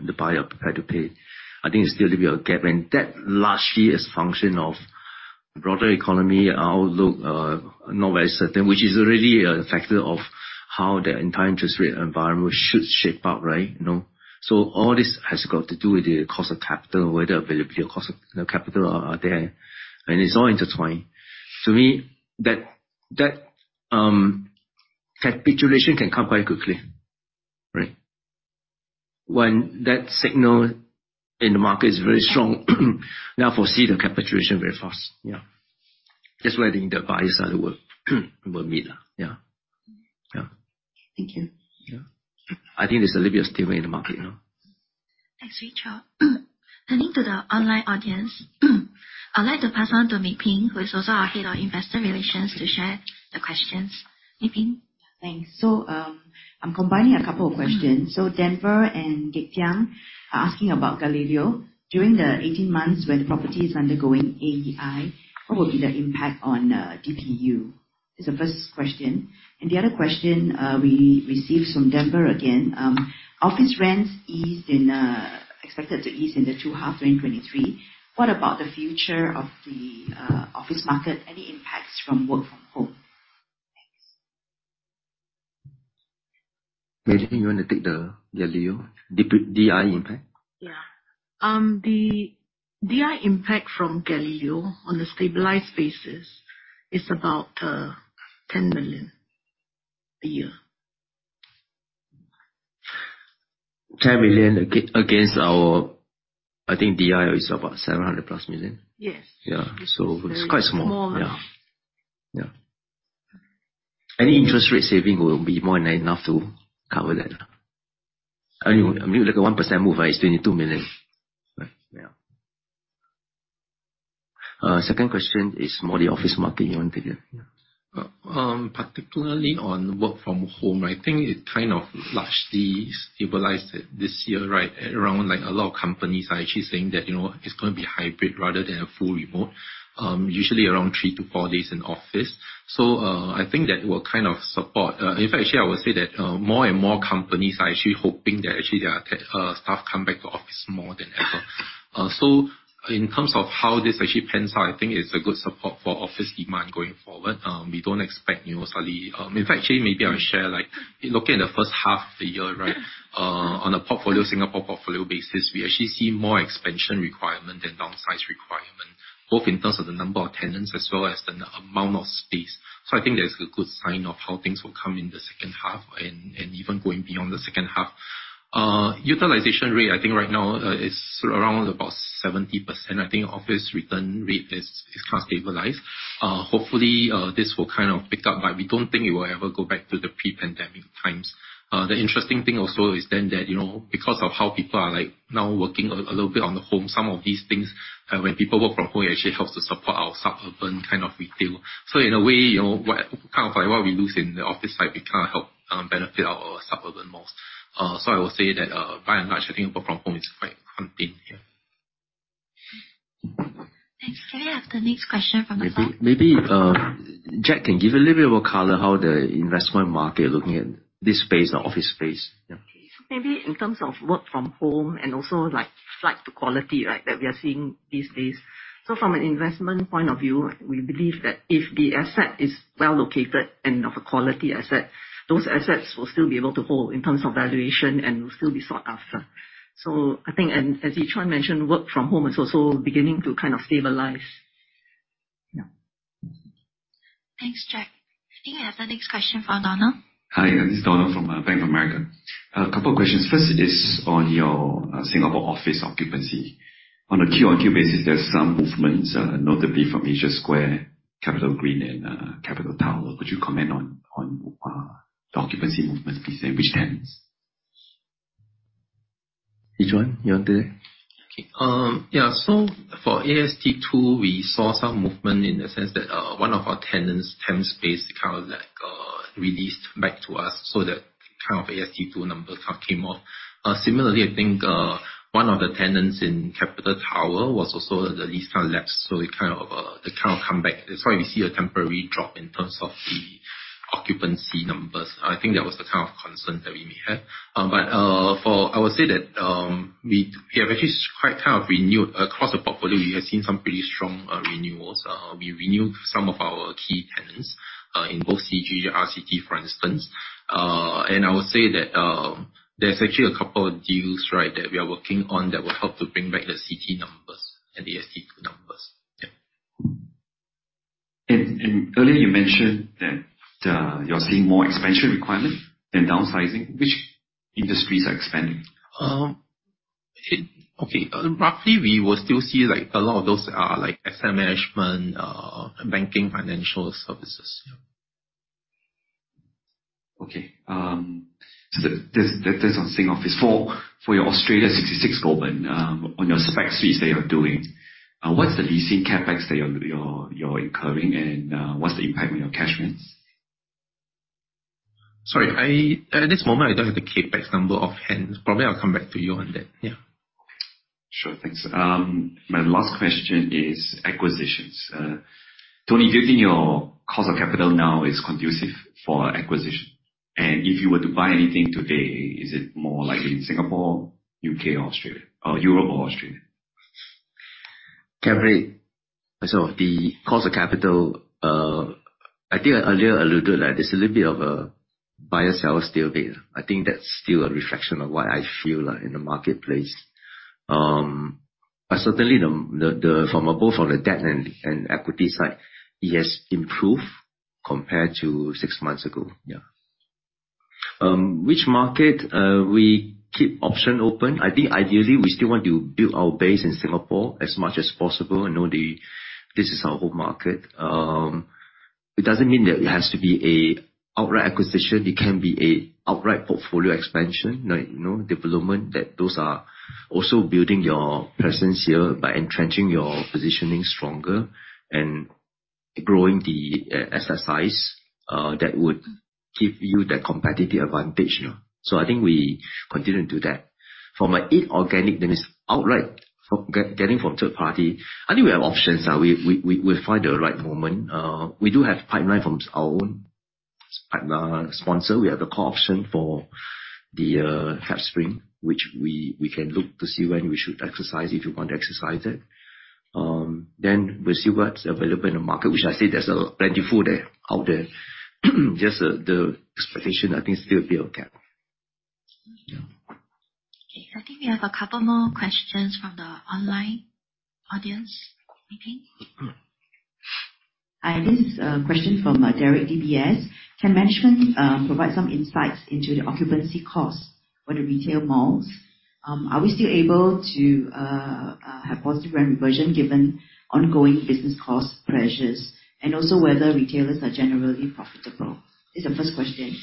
the buyer prepared to pay, I think it's still a bit of a gap. That largely is function of broader economy outlook, not very certain, which is really a factor of how the entire interest rate environment should shape up, right? All this has got to do with the cost of capital, whether availability of cost of the capital are there, and it's all intertwined. To me, that capitulation can come quite quickly, right? When that signal in the market is very strong, now foresee the capitulation very fast. Yeah. Just waiting the buyer side will meet. Yeah. Thank you. Yeah. I think there's a little bit of steam in the market now. Wei Chow. Turning to the online audience, I'd like to pass on to Ho Mei Peng, who is also our Head of Investor Relations, to share the questions. Ho Mei Peng. I'm combining a couple of questions. Denver and Dick Tiang are asking about Gallileo. During the 18 months where the property is undergoing AEI, what will be the impact on DPU? Is the first question. The other question we received from Denver again, office rents expected to ease in the second half 2023. What about the future of the office market? Any impacts from work from home? Maybe you want to take the Gallileo DI impact? The DI impact from Gallileo on a stabilized basis is about 10 million a year. 10 million against our, I think DI is about 700+ million. Yes. Yeah. It's quite small. Small amount. Yeah. Any interest rate saving will be more than enough to cover that. Only like a 1% move is 22 million. Right? Yeah. Second question is more the office market. You want to take it? Yeah. Particularly on work from home, I think it kind of largely stabilized this year, right? Around a lot of companies are actually saying that it's going to be hybrid rather than a full remote. Usually around three to four days in office. I think that will kind of support. In fact, actually, I would say that more and more companies are actually hoping that their staff come back to office more than ever. In terms of how this actually pans out, I think it's a good support for office demand going forward. In fact, actually, maybe I'll share, looking at the first half of the year, right? Yeah. On a Singapore portfolio basis, we actually see more expansion requirement than downsize requirement, both in terms of the number of tenants as well as the amount of space. I think that is a good sign of how things will come in the second half, and even going beyond the second half. Utilization rate, I think right now is around about 70%. I think office return rate is quite stabilized. Hopefully, this will pick up, but we don't think it will ever go back to the pre-pandemic times. The interesting thing also is then that, because of how people are now working a little bit on the home, some of these things, when people work from home, it actually helps to support our suburban kind of retail. In a way, what we kinda help benefit our suburban malls. I would say that by and large, I think work from home is quite contained, yeah. Thanks. Can we have the next question from the phone? Maybe Jacqueline can give a little bit more color how the investment market looking at this space, the office space. Yeah. Okay. Maybe in terms of work from home and also flight to quality that we are seeing these days. From an investment point of view, we believe that if the asset is well located and of a quality asset, those assets will still be able to hold in terms of valuation and will still be sought after. I think, and as Yi Zhuan mentioned, work from home is also beginning to kind of stabilize. Yeah. Thanks, Jacqueline. I think we have the next question from Donald. Hi, this is Donald from Bank of America. A couple of questions. First is on your Singapore office occupancy. On a Q-on-Q basis, there is some movements, notably from Asia Square, CapitaGreen and Capital Tower. Could you comment on occupancy movement, please, and which tenants? Yi Zhuan, you want to take that? Okay. Yeah, for AST2, we saw some movement in the sense that one of our tenants, Temasek, released back to us, so that AST2 number came off. Similarly, I think, one of the tenants in Capital Tower was also the lease elapsed, so they kind of come back. That's why we see a temporary drop in terms of the occupancy numbers. I think that was the kind of concern that we may have. I would say that we have actually quite renewed across the portfolio. We have seen some pretty strong renewals. We renewed some of our key tenants, in both CG and RCT, for instance. I would say that there's actually a couple of deals, right, that we are working on that will help to bring back the CT numbers and the AST2 numbers. Yeah. Earlier you mentioned that you're seeing more expansion requirements than downsizing. Which industries are expanding? Okay. Roughly, we will still see a lot of those are asset management, banking, financial services. Yeah. That's on Singoffice. For your 66 Goulburn Street, Sydney, NSW 2000, on your Spec Suite that you're doing, what's the leasing CapEx that you're incurring, and what's the impact on your cash rents? Sorry, at this moment, I don't have the CapEx number offhand. Probably I'll come back to you on that. Yeah. Sure. Thanks. My last question is acquisitions. Tony, do you think your cost of capital now is conducive for acquisition? If you were to buy anything today, is it more likely in Singapore, U.K. or Australia, or Europe or Australia? The cost of capital, I think earlier I alluded, there's a little bit of a buyer, seller still there. I think that's still a reflection of what I feel in the marketplace. Certainly from both on the debt and equity side, it has improved compared to six months ago. Yeah. Which market? We keep option open. I think ideally, we still want to build our base in Singapore as much as possible. I know this is our home market. It doesn't mean that it has to be an outright acquisition. It can be an outright portfolio expansion. Development, that those are also building your presence here by entrenching your positioning stronger and growing the asset size, that would give you that competitive advantage. I think we continue to do that. From an in-organic, that is outright getting from third party, I think we have options. We'll find the right moment. We do have pipeline from our own partner sponsor. We have the call option for CapitaSpring, which we can look to see when we should exercise it, if we want to exercise it. We'll see what's available in the market, which I said there's plenty out there. Just the expectation, I think, still a bit of a gap. Yeah. Okay. I think we have a couple more questions from the online audience. Hi. This is a question from Derek, DBS. Can management provide some insights into the occupancy cost for the retail malls? Are we still able to have positive rent reversion given ongoing business cost pressures, and also whether retailers are generally profitable? This is the first question.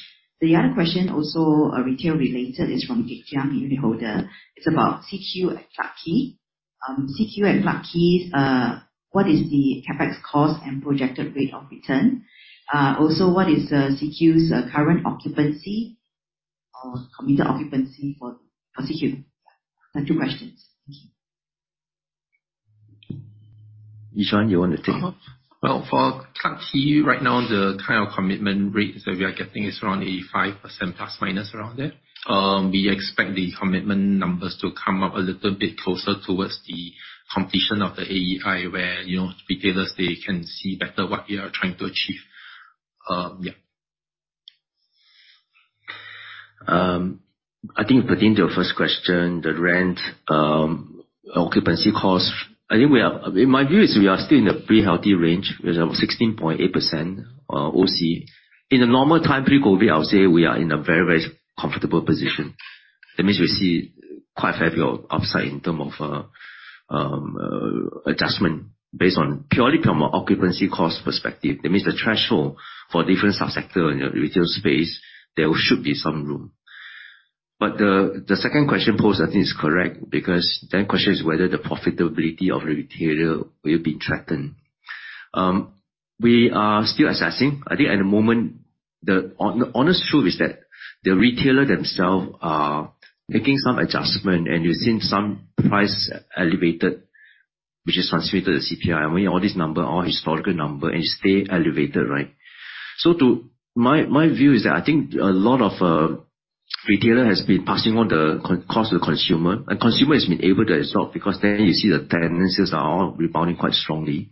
The other question also retail related, is from a unitholder. It's about CQ @ Clarke Quay. CQ @ Clarke Quay, what is the CapEx cost and projected rate of return? Also, what is CQ's current occupancy or committed occupancy for CQ @ Clarke Quay? Yeah. Two questions. Thank you. Yi Zhuan, you want to take that? Well, for CQ @ Clarke Quay, right now, the kind of commitment rates that we are getting is around 85% ± around there. We expect the commitment numbers to come up a little bit closer towards the completion of the AEI, where retailers, they can see better what we are trying to achieve. Yeah. I think pertaining to your first question, the rent occupancy cost. My view is we are still in a pretty healthy range. We are at 16.8% OC. In a normal time, pre-COVID, I would say we are in a very, very comfortable position. That means we see quite a fair view upside in term of adjustment based on purely from an occupancy cost perspective. That means the threshold for different subsector in the retail space, there should be some room. The second question posed, I think, is correct, because then question is whether the profitability of the retailer will be threatened. We are still assessing. I think at the moment, the honest truth is that the retailer themselves are making some adjustment, and you're seeing some price elevated, which is transmitted to the CPI. When all this number, all historical number and stay elevated, right? My view is that I think a lot of retailer has been passing on the cost to the consumer, and consumer has been able to absorb, because then you see the tenancies are all rebounding quite strongly.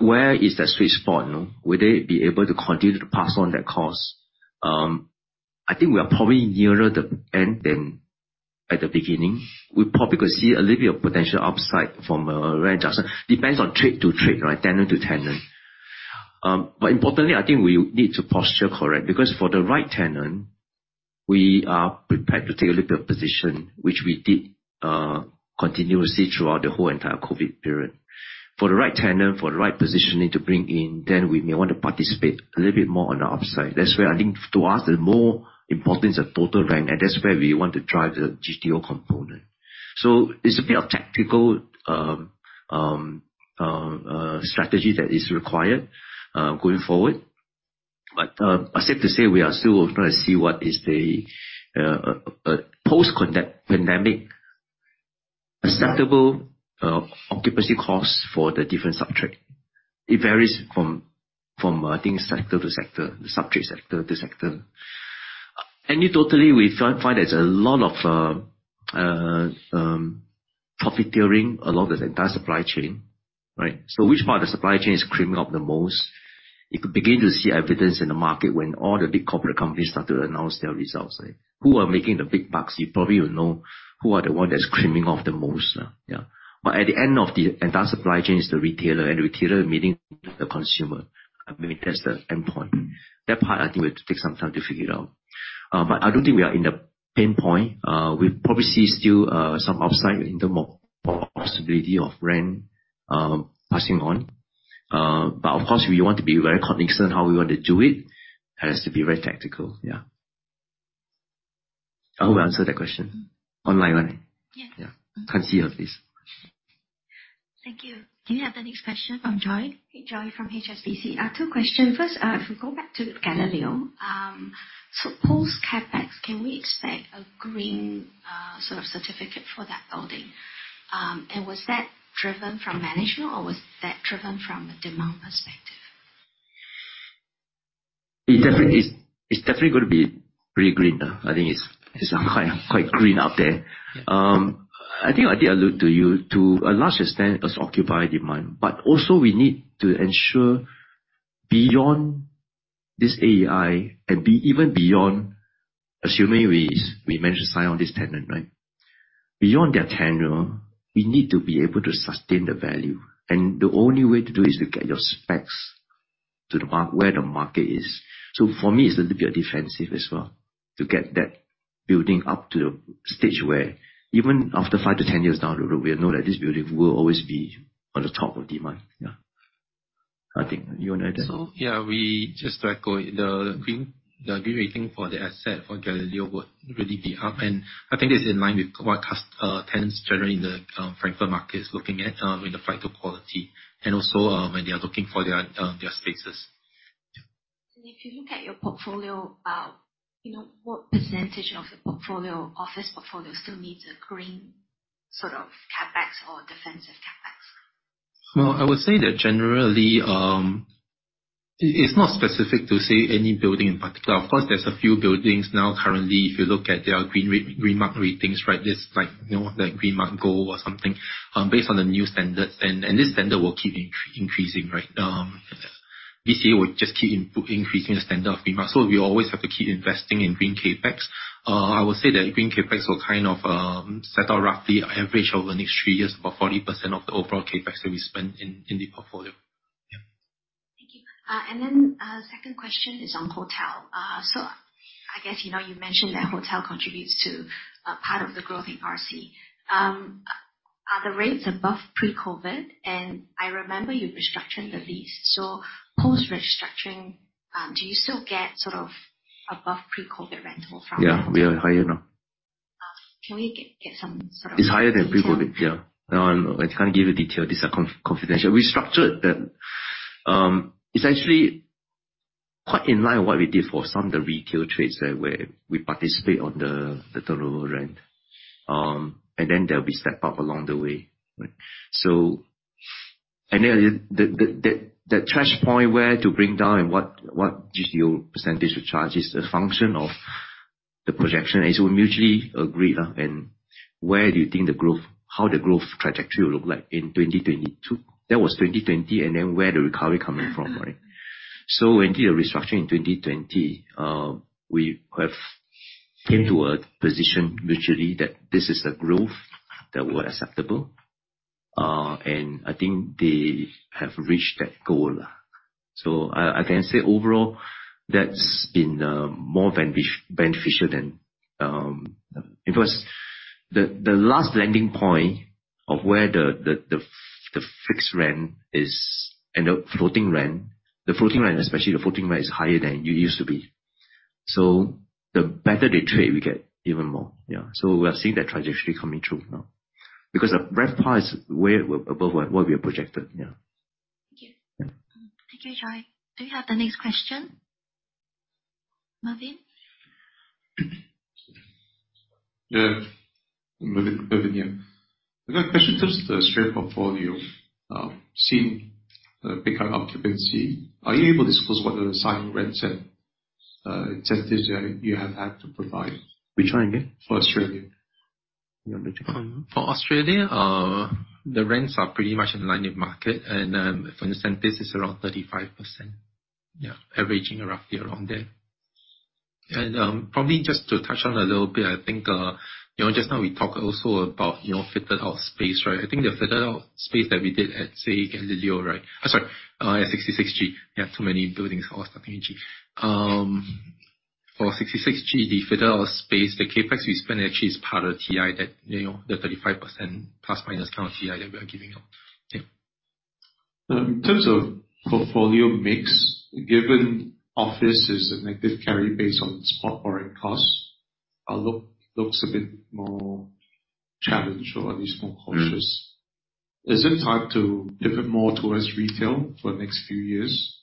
Where is that sweet spot? Will they be able to continue to pass on that cost? I think we are probably nearer the end than at the beginning. We probably could see a little bit of potential upside from a rent adjustment. Depends on trade to trade, right? Tenant to tenant. Importantly, I think we need to posture correct, because for the right tenant, we are prepared to take a little bit of position, which we did continuously throughout the whole entire COVID period. For the right tenant, for the right positioning to bring in, then we may want to participate a little bit more on the upside. That's where I think to us, the more importance of total rent, and that's where we want to drive the GTO component. It's a bit of tactical strategy that is required going forward. Safe to say, we are still trying to see what is the post-pandemic acceptable occupancy costs for the different sub-trade. It varies from, I think, sector to sector, the subject sector to sector. Totally, we find there's a lot of profiteering along the entire supply chain, right? Which part of the supply chain is creaming off the most? You could begin to see evidence in the market when all the big corporate companies start to announce their results. Who are making the big bucks? You probably will know who are the one that's creaming off the most. Yeah. At the end of the entire supply chain is the retailer. The retailer meeting the consumer. Maybe that's the endpoint. That part, I think, we have to take some time to figure out. I don't think we are in the pain point. We probably see still some upside in the possibility of rent passing on. Of course, we want to be very cognizant how we want to do it. It has to be very tactical. Yeah. I hope I answered that question. Online one. Yes. Yeah. Continue, please. Thank you. Do you have the next question from Joy? Joy from HSBC. Two question. First, if we go back to Gallileo. Post CapEx, can we expect a green certificate for that building? Was that driven from management or was that driven from a demand perspective? It's definitely going to be pretty green. I think it's quite green out there. I did allude to you, to a large extent, it's occupied demand. We need to ensure beyond this AEI, and even beyond, assuming we manage to sign on this tenant, right? Beyond their tenure, we need to be able to sustain the value. The only way to do it is to get your specs where the market is. For me, it's a little bit defensive as well to get that building up to the stage where even after 5-10 years down the road, we know that this building will always be on the top of demand. You want to add that? We just echo the green rating for the asset for Gallileo would really be up, and it's in line with what tenants generally in the Frankfurt market is looking at in the fight to quality. When they are looking for their spaces. If you look at your portfolio, what percentage of the office portfolio still needs a green CapEx or defensive CapEx? I would say that generally, it's not specific to say any building in particular. Of course, there's a few buildings now currently, if you look at their Green Mark ratings, like Green Mark Gold or something, based on the new standards. This standard will keep increasing. BCA will just keep increasing the standard of Green Mark. We always have to keep investing in green CapEx. I would say that green CapEx will kind of settle roughly average over the next three years, about 40% of the overall CapEx that we spend in the portfolio. Thank you. Second question is on hotel. I guess you mentioned that hotel contributes to part of the growth in RC. Are the rates above pre-COVID? I remember you restructured the lease. Post-restructuring, do you still get above pre-COVID rental from Yeah, we are higher now. Can we get some sort of It's higher than pre-COVID. Yeah. No, I can't give you detail. These are confidential. We structured them. It's actually quite in line with what we did for some of the retail trades there, where we participate on the turnover rent. There'll be step-up along the way. Right. The touch point where to bring down and what GTO percentage to charge is a function of the projection. We mutually agreed on where do you think the growth, how the growth trajectory will look like in 2022. That was 2020, and then where the recovery coming from, right? We did a restructuring in 2020. We have came to a position mutually that this is the growth that were acceptable. I think they have reached that goal. I can say overall, that's been more beneficial than it was. The last landing point of where the fixed rent is, and the floating rent. The floating rent especially, the floating rent is higher than it used to be. The better the trade, we get even more. We are seeing that trajectory coming true now. The RevPAR is way above what we had projected. Thank you, Joy. Do you have the next question? Mervin? Mervin here. I've got a question in terms of the share portfolio. Seeing bigger occupancy, are you able to disclose what the assigned rents and incentives you have had to provide? Which one again? For Australia. You want me to comment on that? For Australia, the rents are pretty much in line with market, and from the centers is around 35%. Yeah. Averaging roughly around there. Probably just to touch on a little bit, I think, just now we talked also about fitted out space, right? I think the fitted out space that we did at, say Gallileo, right? Sorry, at 66 Goulburn Street. Yeah, too many buildings all starting in 66 Goulburn Street. For 66 Goulburn Street, the fitted out space, the CapEx we spend actually is part of TI that, the 35% ± kind of TI that we are giving out. Yeah. In terms of portfolio mix, given office is a negative carry based on spot foreign costs, looks a bit more challenged or at least more cautious. Is it time to pivot more towards retail for the next few years?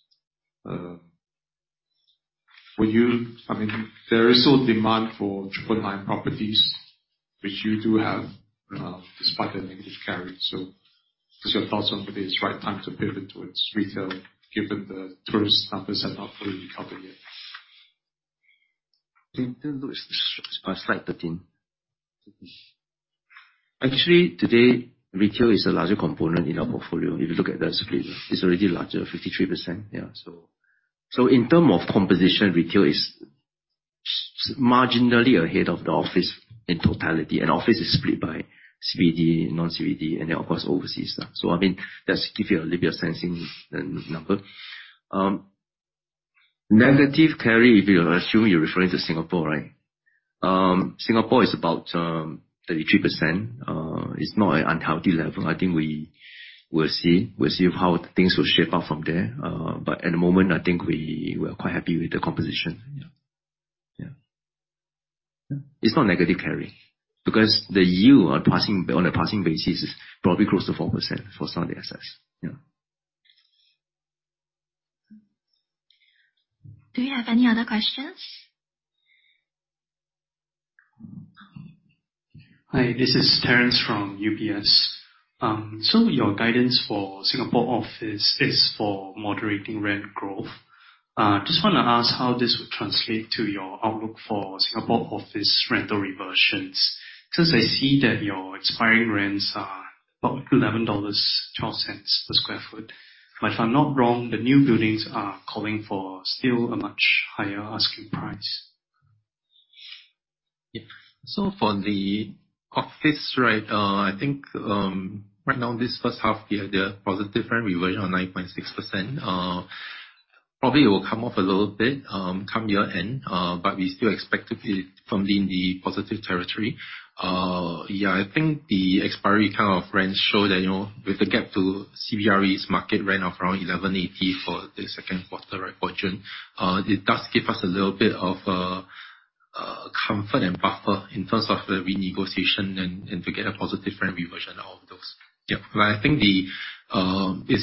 There is still demand for 999-year leasehold properties, which you do have, despite the negative carry. What's your thoughts on if it is right time to pivot towards retail, given the tourist numbers have not fully recovered yet? Can you turn to slide 13? Actually, today, retail is a larger component in our portfolio. If you look at that split, it's already larger, 53%. Yeah. In terms of composition, retail is marginally ahead of the office in totality, and office is split by CBD, non-CBD, and then of course, overseas. That's give you a little bit of sensing the number. Negative carry, I assume you're referring to Singapore, right? Singapore is about 33%. It's not an unhealthy level. I think we'll see how things will shape up from there. At the moment, I think we are quite happy with the composition. Yeah. It's not negative carry because the yield on a passing basis is probably close to 4% for some of the assets. Yeah. Do you have any other questions? Hi, this is Terrence from UBS. Your guidance for Singapore office is for moderating rent growth. Just want to ask how this would translate to your outlook for Singapore office rental reversions. Since I see that your expiring rents are about 11.12 dollars per sq ft. If I'm not wrong, the new buildings are calling for still a much higher asking price. For the office, I think, right now, this first half, we have the positive rent reversion of 9.6%. Probably it will come off a little bit come year-end, but we still expect to be firmly in the positive territory. I think the expiry kind of rents show that with the gap to CBRE's market rent of around 11.80 for the second quarter, right, Fortune, it does give us a little bit of a comfort and buffer in terms of the renegotiation and to get a positive rent reversion out of those. It's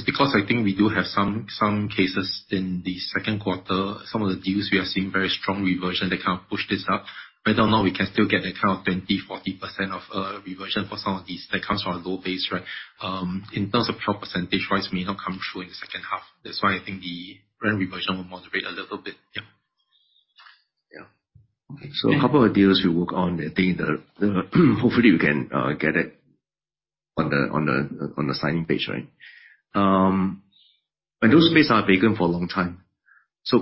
because I think we do have some cases in the second quarter, some of the deals we are seeing very strong reversion that can't push this up. Right or not, we can still get that kind of 20%, 40% of reversion for some of these that comes from a low base, right? In terms of pure percentage wise may not come through in the second half. That's why I think the rent reversion will moderate a little bit. Okay. A couple of deals we work on, I think, hopefully we can get it on the signing page, right? Those space are vacant for a long time.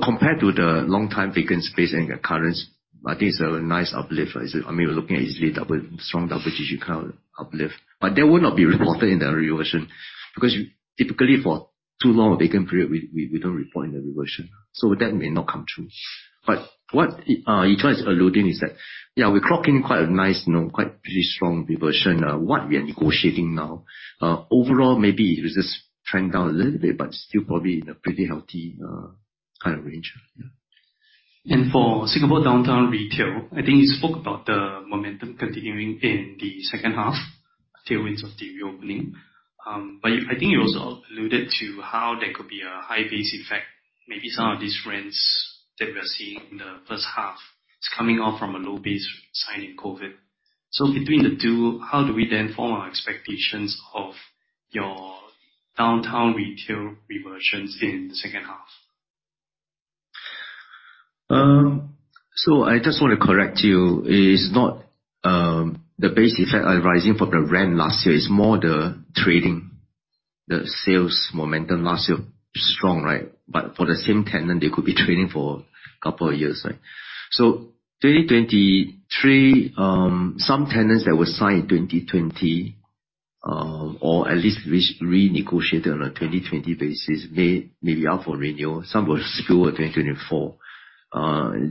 Compared to the long-time vacant space and occurrence, I think it's a nice uplift. We are looking at easily strong double-digit kind of uplift, but that will not be reported in the reversion because typically for too long a vacant period, we don't report in the reversion. That may not come true. What Yi Zhuan is alluding is that, we clock in quite a nice, pretty strong reversion. What we are negotiating now, overall, maybe it has just trend down a little bit, but still probably in a pretty healthy kind of range. For Singapore downtown retail, I think you spoke about the momentum continuing in the second half, tailwinds of the reopening. I think you also alluded to how there could be a high base effect. Maybe some of these rents that we are seeing in the first half is coming off from a low base signed in COVID. Between the two, how do we then form our expectations of your downtown retail reversions in the second half? I just want to correct you. It's not the base effect arising from the rent last year. It's more the trading. The sales momentum last year strong, right? For the same tenant, they could be trading for a couple of years, right? 2023, some tenants that were signed 2020, or at least renegotiated on a 2020 basis, may be up for renewal. Some will spill to 2024.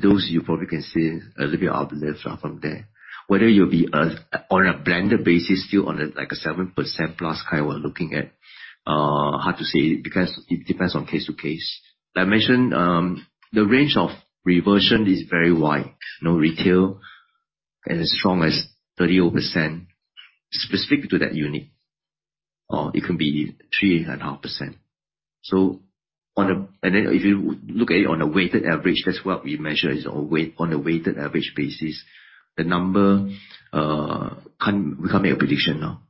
Those you probably can see a little bit uplift from there. Whether you'll be on a blended basis still on a 7%+ kind we're looking at, hard to say because it depends on case to case. I mentioned, the range of reversion is very wide. Retail can as strong as 30%-specific to that unit, or it can be 3.5%. If you look at it on a weighted average, that's what we measure is on a weighted average basis. The number, we can't make a prediction now.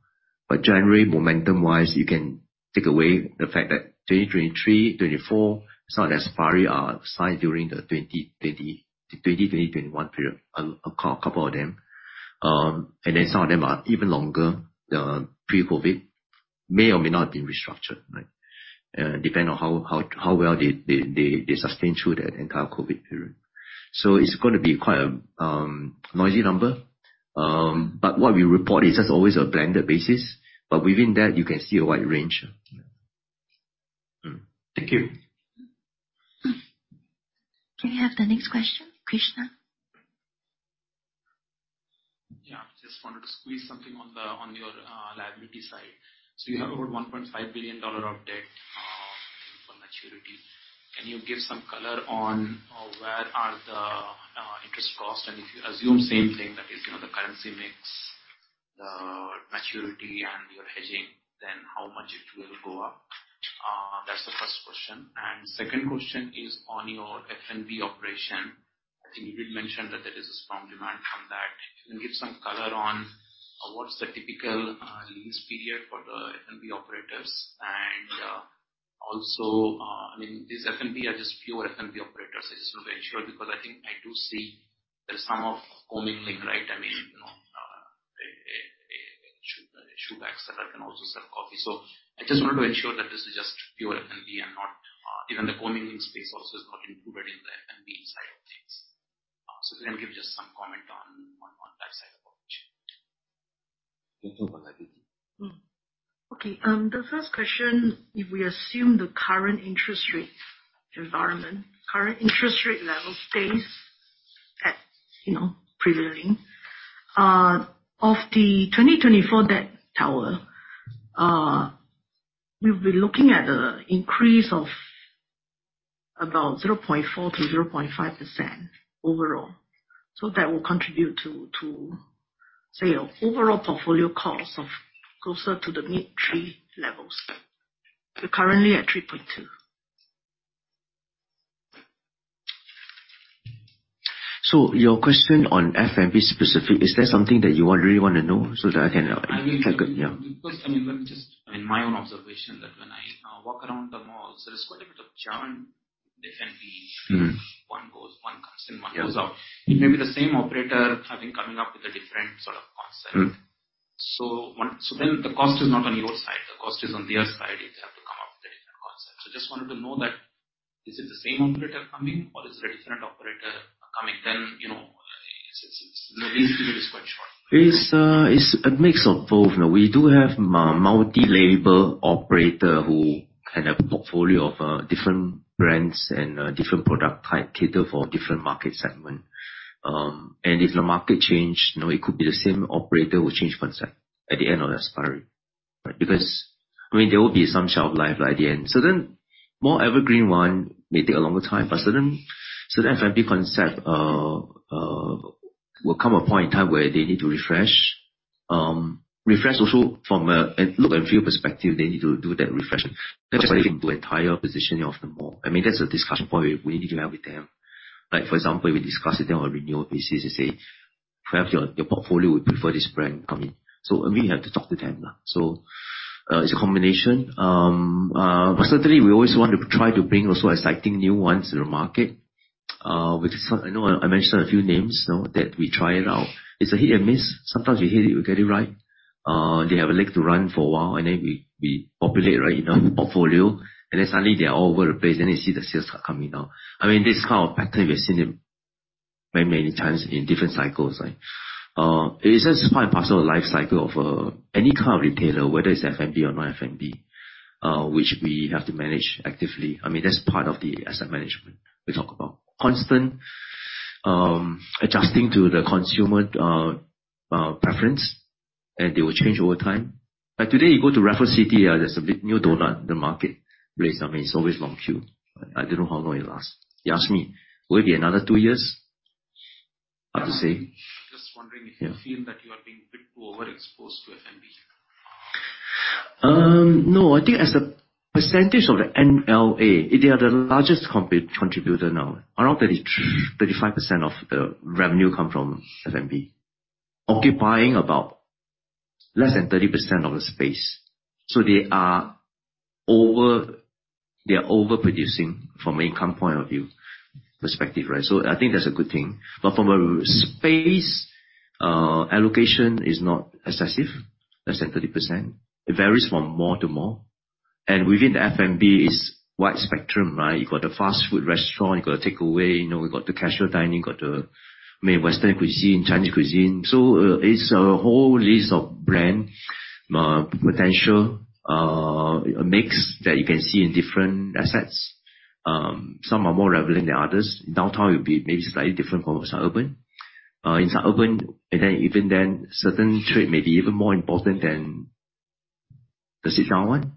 Generally, momentum-wise, you can take away the fact that 2023, 2024, some of the expiry are signed during the 2020, 2021 period, a couple of them. Some of them are even longer, the pre-COVID, may or may not have been restructured, right? Depend on how well they sustain through that entire COVID period. It's going to be quite a noisy number. What we report is just always a blended basis. Within that, you can see a wide range. Thank you. Can we have the next question, Krishna? Just wanted to squeeze something on your liability side. You have about 1.5 billion dollar of debt for maturity. Can you give some color on where are the interest costs? If you assume same thing, that is the currency mix, the maturity, and your hedging, how much it will go up? That's the first question. Second question is on your F&B operation. I think you did mention that there is a strong demand from that. Can you give some color on what is the typical lease period for the F&B operators and also, these F&B are just pure F&B operators? I just want to ensure because I think I do see there is some co-mingling, right? A shoe bestseller can also sell coffee. I just wanted to ensure that this is just pure F&B and even the co-mingling space also is not included in the F&B side of things. Can you give just some comment on that side of operations? You talk about liability. The first question, if we assume the current interest rate environment, current interest rate level stays at prevailing. Of the 2024 debt tower, we'll be looking at an increase of about 0.4%-0.5% overall. That will contribute to say, our overall portfolio cost of closer to the mid 3% levels. We're currently at 3.2%. Your question on F&B specific, is that something that you really want to know so that I can- I will. Yeah. Let me just, in my own observation that when I walk around the malls, there is quite a bit of churn, definitely. One comes in, one goes out. Yeah. It may be the same operator coming up with a different sort of concept. The cost is not on your side. The cost is on their side if they have to come up with a different concept. Just wanted to know that, is it the same operator coming or is it a different operator coming, this period is quite short. It's a mix of both. We do have multi-label operator who can have a portfolio of different brands and different product type, cater for different market segment. If the market change, it could be the same operator will change concept at the end of the expiry. Right. Because there will be some shelf life by the end. Certain more evergreen one may take a longer time, but certain F&B concept will come a point in time where they need to refresh. Refresh also from a look and feel perspective, they need to do that refresh. That doesn't mean the entire positioning of the mall. That's a discussion point we need to have with them. Like for example, we discuss with them on renewal basis to say, "Perhaps your portfolio would prefer this brand come in." We have to talk to them now. It's a combination. Certainly we always want to try to bring also exciting new ones to the market. I know I mentioned a few names, that we try it out. It's a hit or miss. Sometimes we hit it, we get it right. They have a leg to run for a while, and then we populate enough portfolio, and then suddenly they are all over the place, then you see the sales start coming up. This kind of pattern, we've seen it many, many times in different cycles, right? It is just part and parcel of life cycle of any kind of retailer, whether it's F&B or not F&B, which we have to manage actively. That's part of the asset management we talk about, constant adjusting to the consumer preference, and they will change over time. Like today, you go to Raffles City, there's a big new donut, the marketplace. It's always long queue. I don't know how long it lasts. You ask me, will it be another two years? Hard to say. Just wondering if you feel that you are being a bit too overexposed to F&B. No. I think as a percentage of the NLA, they are the largest contributor now. Around 35% of the revenue come from F&B, occupying about less than 30% of the space. They are overproducing from income point of view perspective, right? I think that's a good thing. From a space, allocation is not excessive, less than 30%. It varies from mall to mall. Within the F&B, it's wide spectrum, right? You got the fast food restaurant, you got the takeaway, we got the casual dining, got the Western cuisine, Chinese cuisine. It's a whole list of brand potential mix that you can see in different assets. Some are more relevant than others. Downtown will be maybe slightly different from suburban. In suburban, even then, certain trade may be even more important than the sit-down one.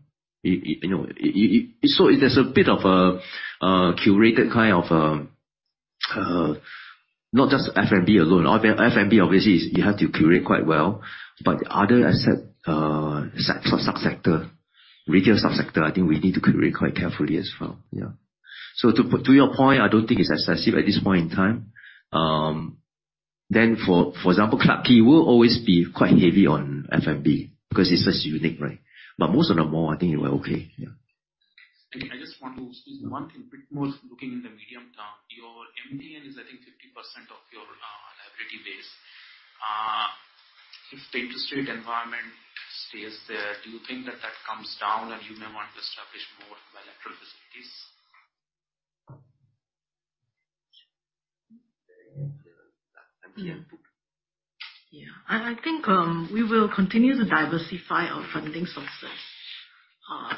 There's a bit of a curated kind of, not just F&B alone. F&B, obviously, you have to curate quite well. The other asset subsector, retail subsector, I think we need to curate quite carefully as well. Yeah. To your point, I don't think it's excessive at this point in time. For example, CQ @ Clarke Quay will always be quite heavy on F&B because it's just unique, right? Most of the mall, I think we are okay. Yeah. I just want to squeeze one thing a bit more looking in the medium term. Your MTN is, I think, 50% of your liability base. If the interest rate environment stays there, do you think that that comes down and you may want to establish more bilateral facilities? Yeah. I think we will continue to diversify our funding sources,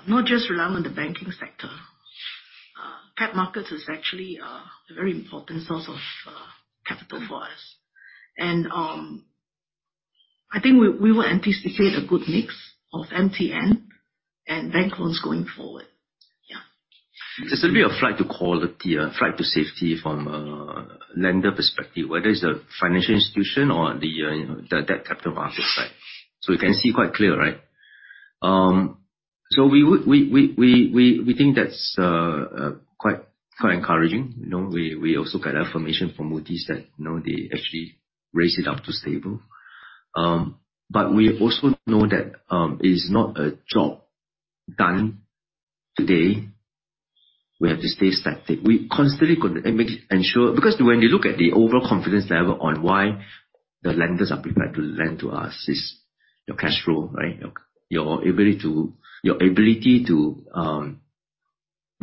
not just rely on the banking sector. Cap markets is actually a very important source of capital for us. I think we will anticipate a good mix of MTN and bank loans going forward. Yeah. There's a bit of flight to quality, flight to safety from a lender perspective, whether it's a financial institution or the debt capital market side. We can see quite clear, right? We think that's quite encouraging. We also get affirmation from Moody's that they actually raise it up to stable. We also know that it's not a job done today. We have to stay static. We constantly ensure. Because when you look at the overall confidence level on why the lenders are prepared to lend to us is your cash flow, right? Your ability to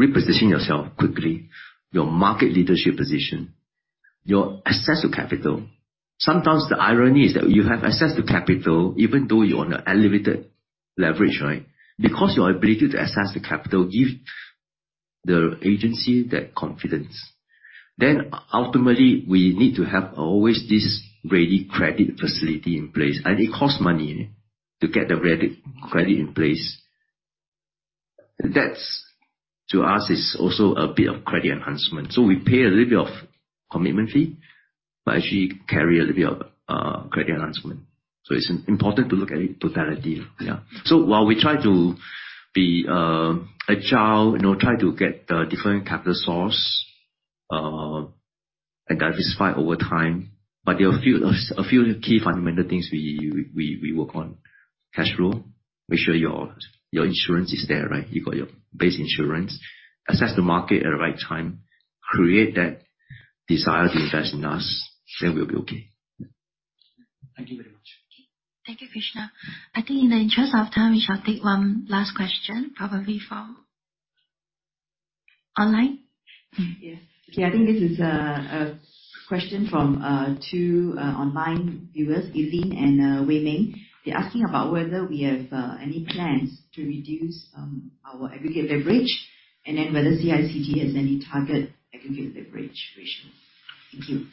reposition yourself quickly, your market leadership position, your access to capital. Sometimes the irony is that you have access to capital, even though you're on an elevated leverage, right? Because your ability to access the capital give the agency that confidence. Ultimately, we need to have always this ready credit facility in place, and it costs money to get the ready credit in place. That, to us, is also a bit of credit enhancement. We pay a little bit of commitment fee, but actually carry a little bit of credit enhancement. It's important to look at it totality. Yeah. While we try to be agile, try to get the different capital source, and diversify over time, but there are a few key fundamental things we work on. Cash flow, make sure your insurance is there, right? You got your base insurance, assess the market at the right time, create that desire to invest in us, we'll be okay. Yeah. Thank you very much. Thank you, Krishna. I think in the interest of time, we shall take one last question, probably from online. Yes. Okay. I think this is a question from two online viewers, Evelyn and Wei Ming. They are asking about whether we have any plans to reduce our aggregate leverage, and then whether CICT has any target aggregate leverage ratios. Thank you.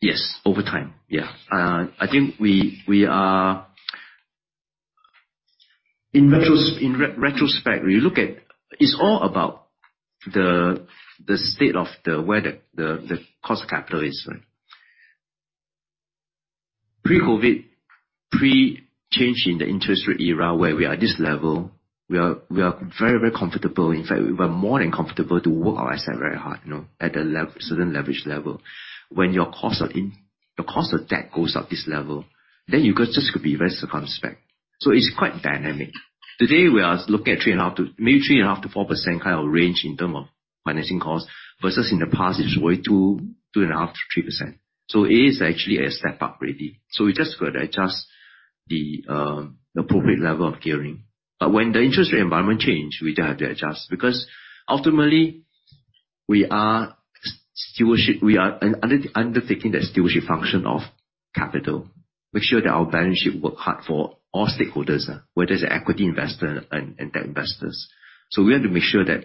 Yes, over time. Yeah. I think in retrospect, it is all about the state of where the cost of capital is, right? Pre-COVID, pre-change in the interest rate era, where we are at this level, we are very comfortable. In fact, we were more than comfortable to work our asset very hard at a certain leverage level. When your cost of debt goes up this level, then you just could be very circumspect. It is quite dynamic. Today, we are looking at maybe 3.5%-4% kind of range in terms of financing cost, versus in the past it is probably 2%, 2.5%-3%. It is actually a step up already. We just got to adjust the appropriate level of gearing. When the interest rate environment change, we just have to adjust, because ultimately, we are undertaking the stewardship function of capital, make sure that our balance sheet work hard for all stakeholders, whether it's equity investor and debt investors. We want to make sure that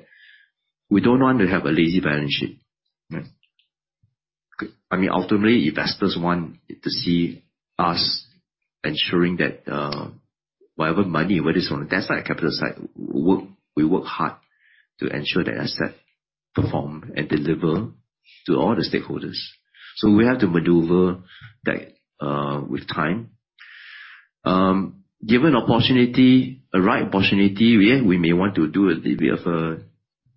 we don't want to have a lazy balance sheet. Ultimately, investors want to see us ensuring that whatever money, whether it's on the debt side or capital side, we work hard to ensure that asset perform and deliver to all the stakeholders. We have to maneuver that with time. Given opportunity, a right opportunity, yeah, we may want to do a bit of a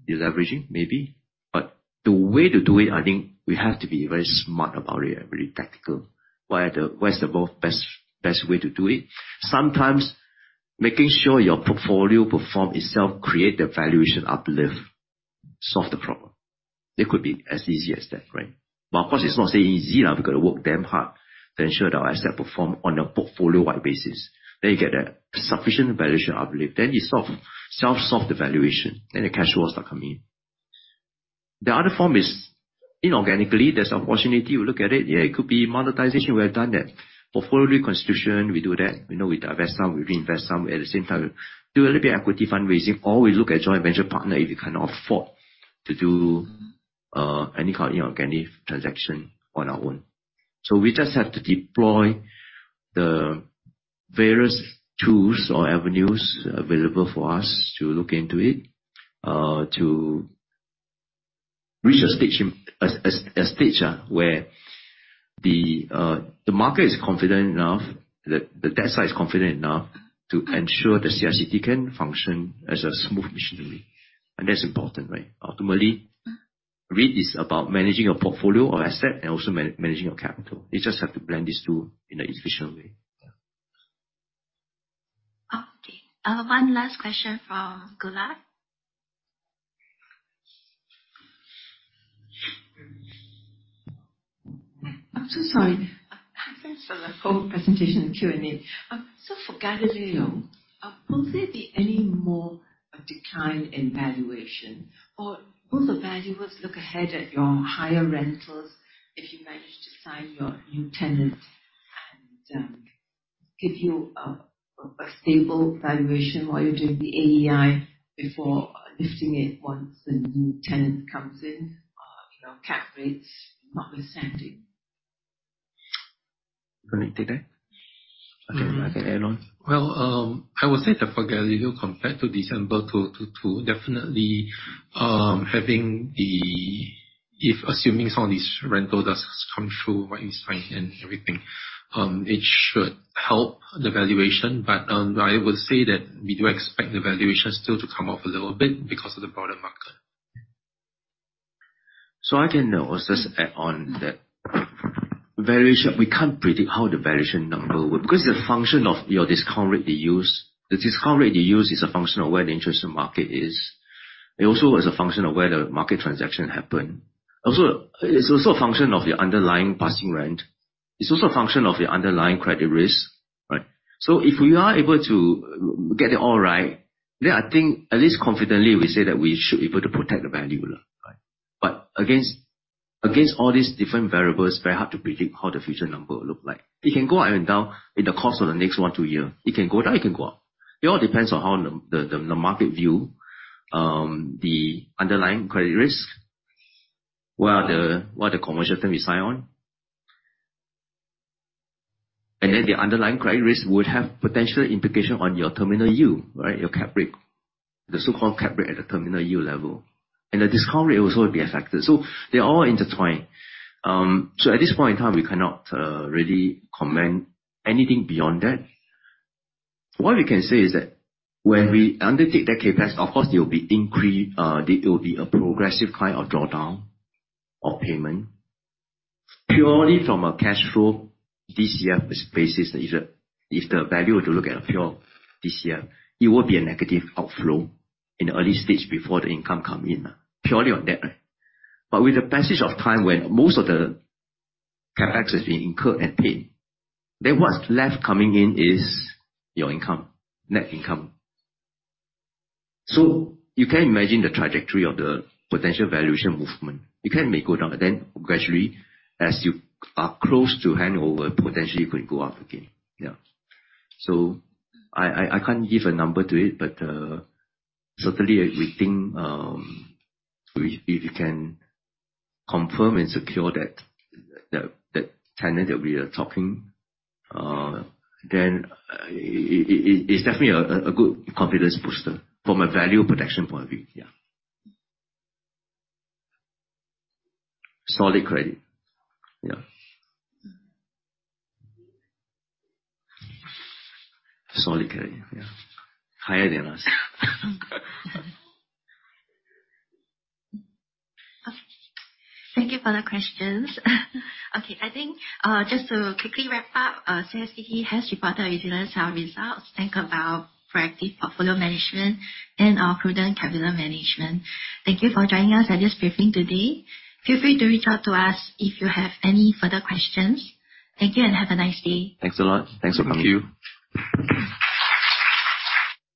deleveraging, maybe, but the way to do it, I think we have to be very smart about it and very tactical, where is the best way to do it. Sometimes making sure your portfolio perform itself create the valuation uplift, solve the problem. It could be as easy as that, right? Of course, it's not easy. We've got to work damn hard to ensure that our asset perform on a portfolio-wide basis. You get a sufficient valuation uplift. You self-solve the valuation, then the cash flows start coming in. The other form is inorganically, there's opportunity. We look at it. Yeah, it could be monetization. We have done that. Portfolio reconstitution, we do that. We divest some, we reinvest some. At the same time, do a little bit equity fundraising, or we look at joint venture partner if we cannot afford to do any kind of inorganic transaction on our own. We just have to deploy the various tools or avenues available for us to look into it, to reach a stage where the market is confident enough, the debt side is confident enough to ensure that CICT can function as a smooth machinery, and that's important, right? Ultimately, REIT is about managing your portfolio or asset and also managing your capital. You just have to blend these two in an efficient way. Okay. One last question from Gula. I'm so sorry. Thanks for the whole presentation and Q&A. For Gallileo, will there be any more decline in valuation? Or will the valuers look ahead at your higher rentals if you manage to sign your new tenant and give you a stable valuation while you do the AEI before listing it once the new tenant comes in, cap rates notwithstanding? You want to take that? Okay, I can add on. I would say that for Gallileo, compared to December 2022, definitely if assuming some of these rental does come through what you sign and everything, it should help the valuation. I would say that we do expect the valuation still to come off a little bit because of the broader market. I can also just add on that. We can't predict how the valuation number will, because it's a function of your discount rate you use. The discount rate you use is a function of where the interest market is. It also is a function of where the market transaction happen. It's also a function of your underlying passing rent. It's also a function of your underlying credit risk, right? If we are able to get it all right, then I think at least confidently we say that we should be able to protect the value. Against all these different variables, very hard to predict how the future number will look like. It can go up and down in the course of the next one, two year. It can go down, it can go up. It all depends on how the market view the underlying credit risk, what the commercial term we sign on. The underlying credit risk would have potential implication on your terminal yield, your cap rate, the so-called cap rate at the terminal yield level. The discount rate will also be affected. They all intertwine. At this point in time, we cannot really comment anything beyond that. What we can say is that when we undertake that CapEx, of course, there will be a progressive kind of drawdown of payment. Purely from a cash flow this year basis, if the valuer were to look at a pure this year, it will be a negative outflow in the early stage before the income come in. Purely on that. With the passage of time, when most of the CapEx has been incurred and paid, what's left coming in is your income, net income. You can imagine the trajectory of the potential valuation movement. It can go down, gradually as you are close to handover, potentially it could go up again. Yeah. I can't give a number to it, but certainly, we think if we can confirm and secure that tenant that we are talking, then it's definitely a good confidence booster from a value protection point of view, yeah. Solid credit. Yeah. Solid credit. Yeah. Higher than us. Okay. Thank you for the questions. Okay, I think just to quickly wrap up, CICT has reported a resilient set of results thanks to our proactive portfolio management and our prudent capital management. Thank you for joining us at this briefing today. Feel free to reach out to us if you have any further questions. Thank you and have a nice day. Thanks a lot. Thanks for coming. Thank you.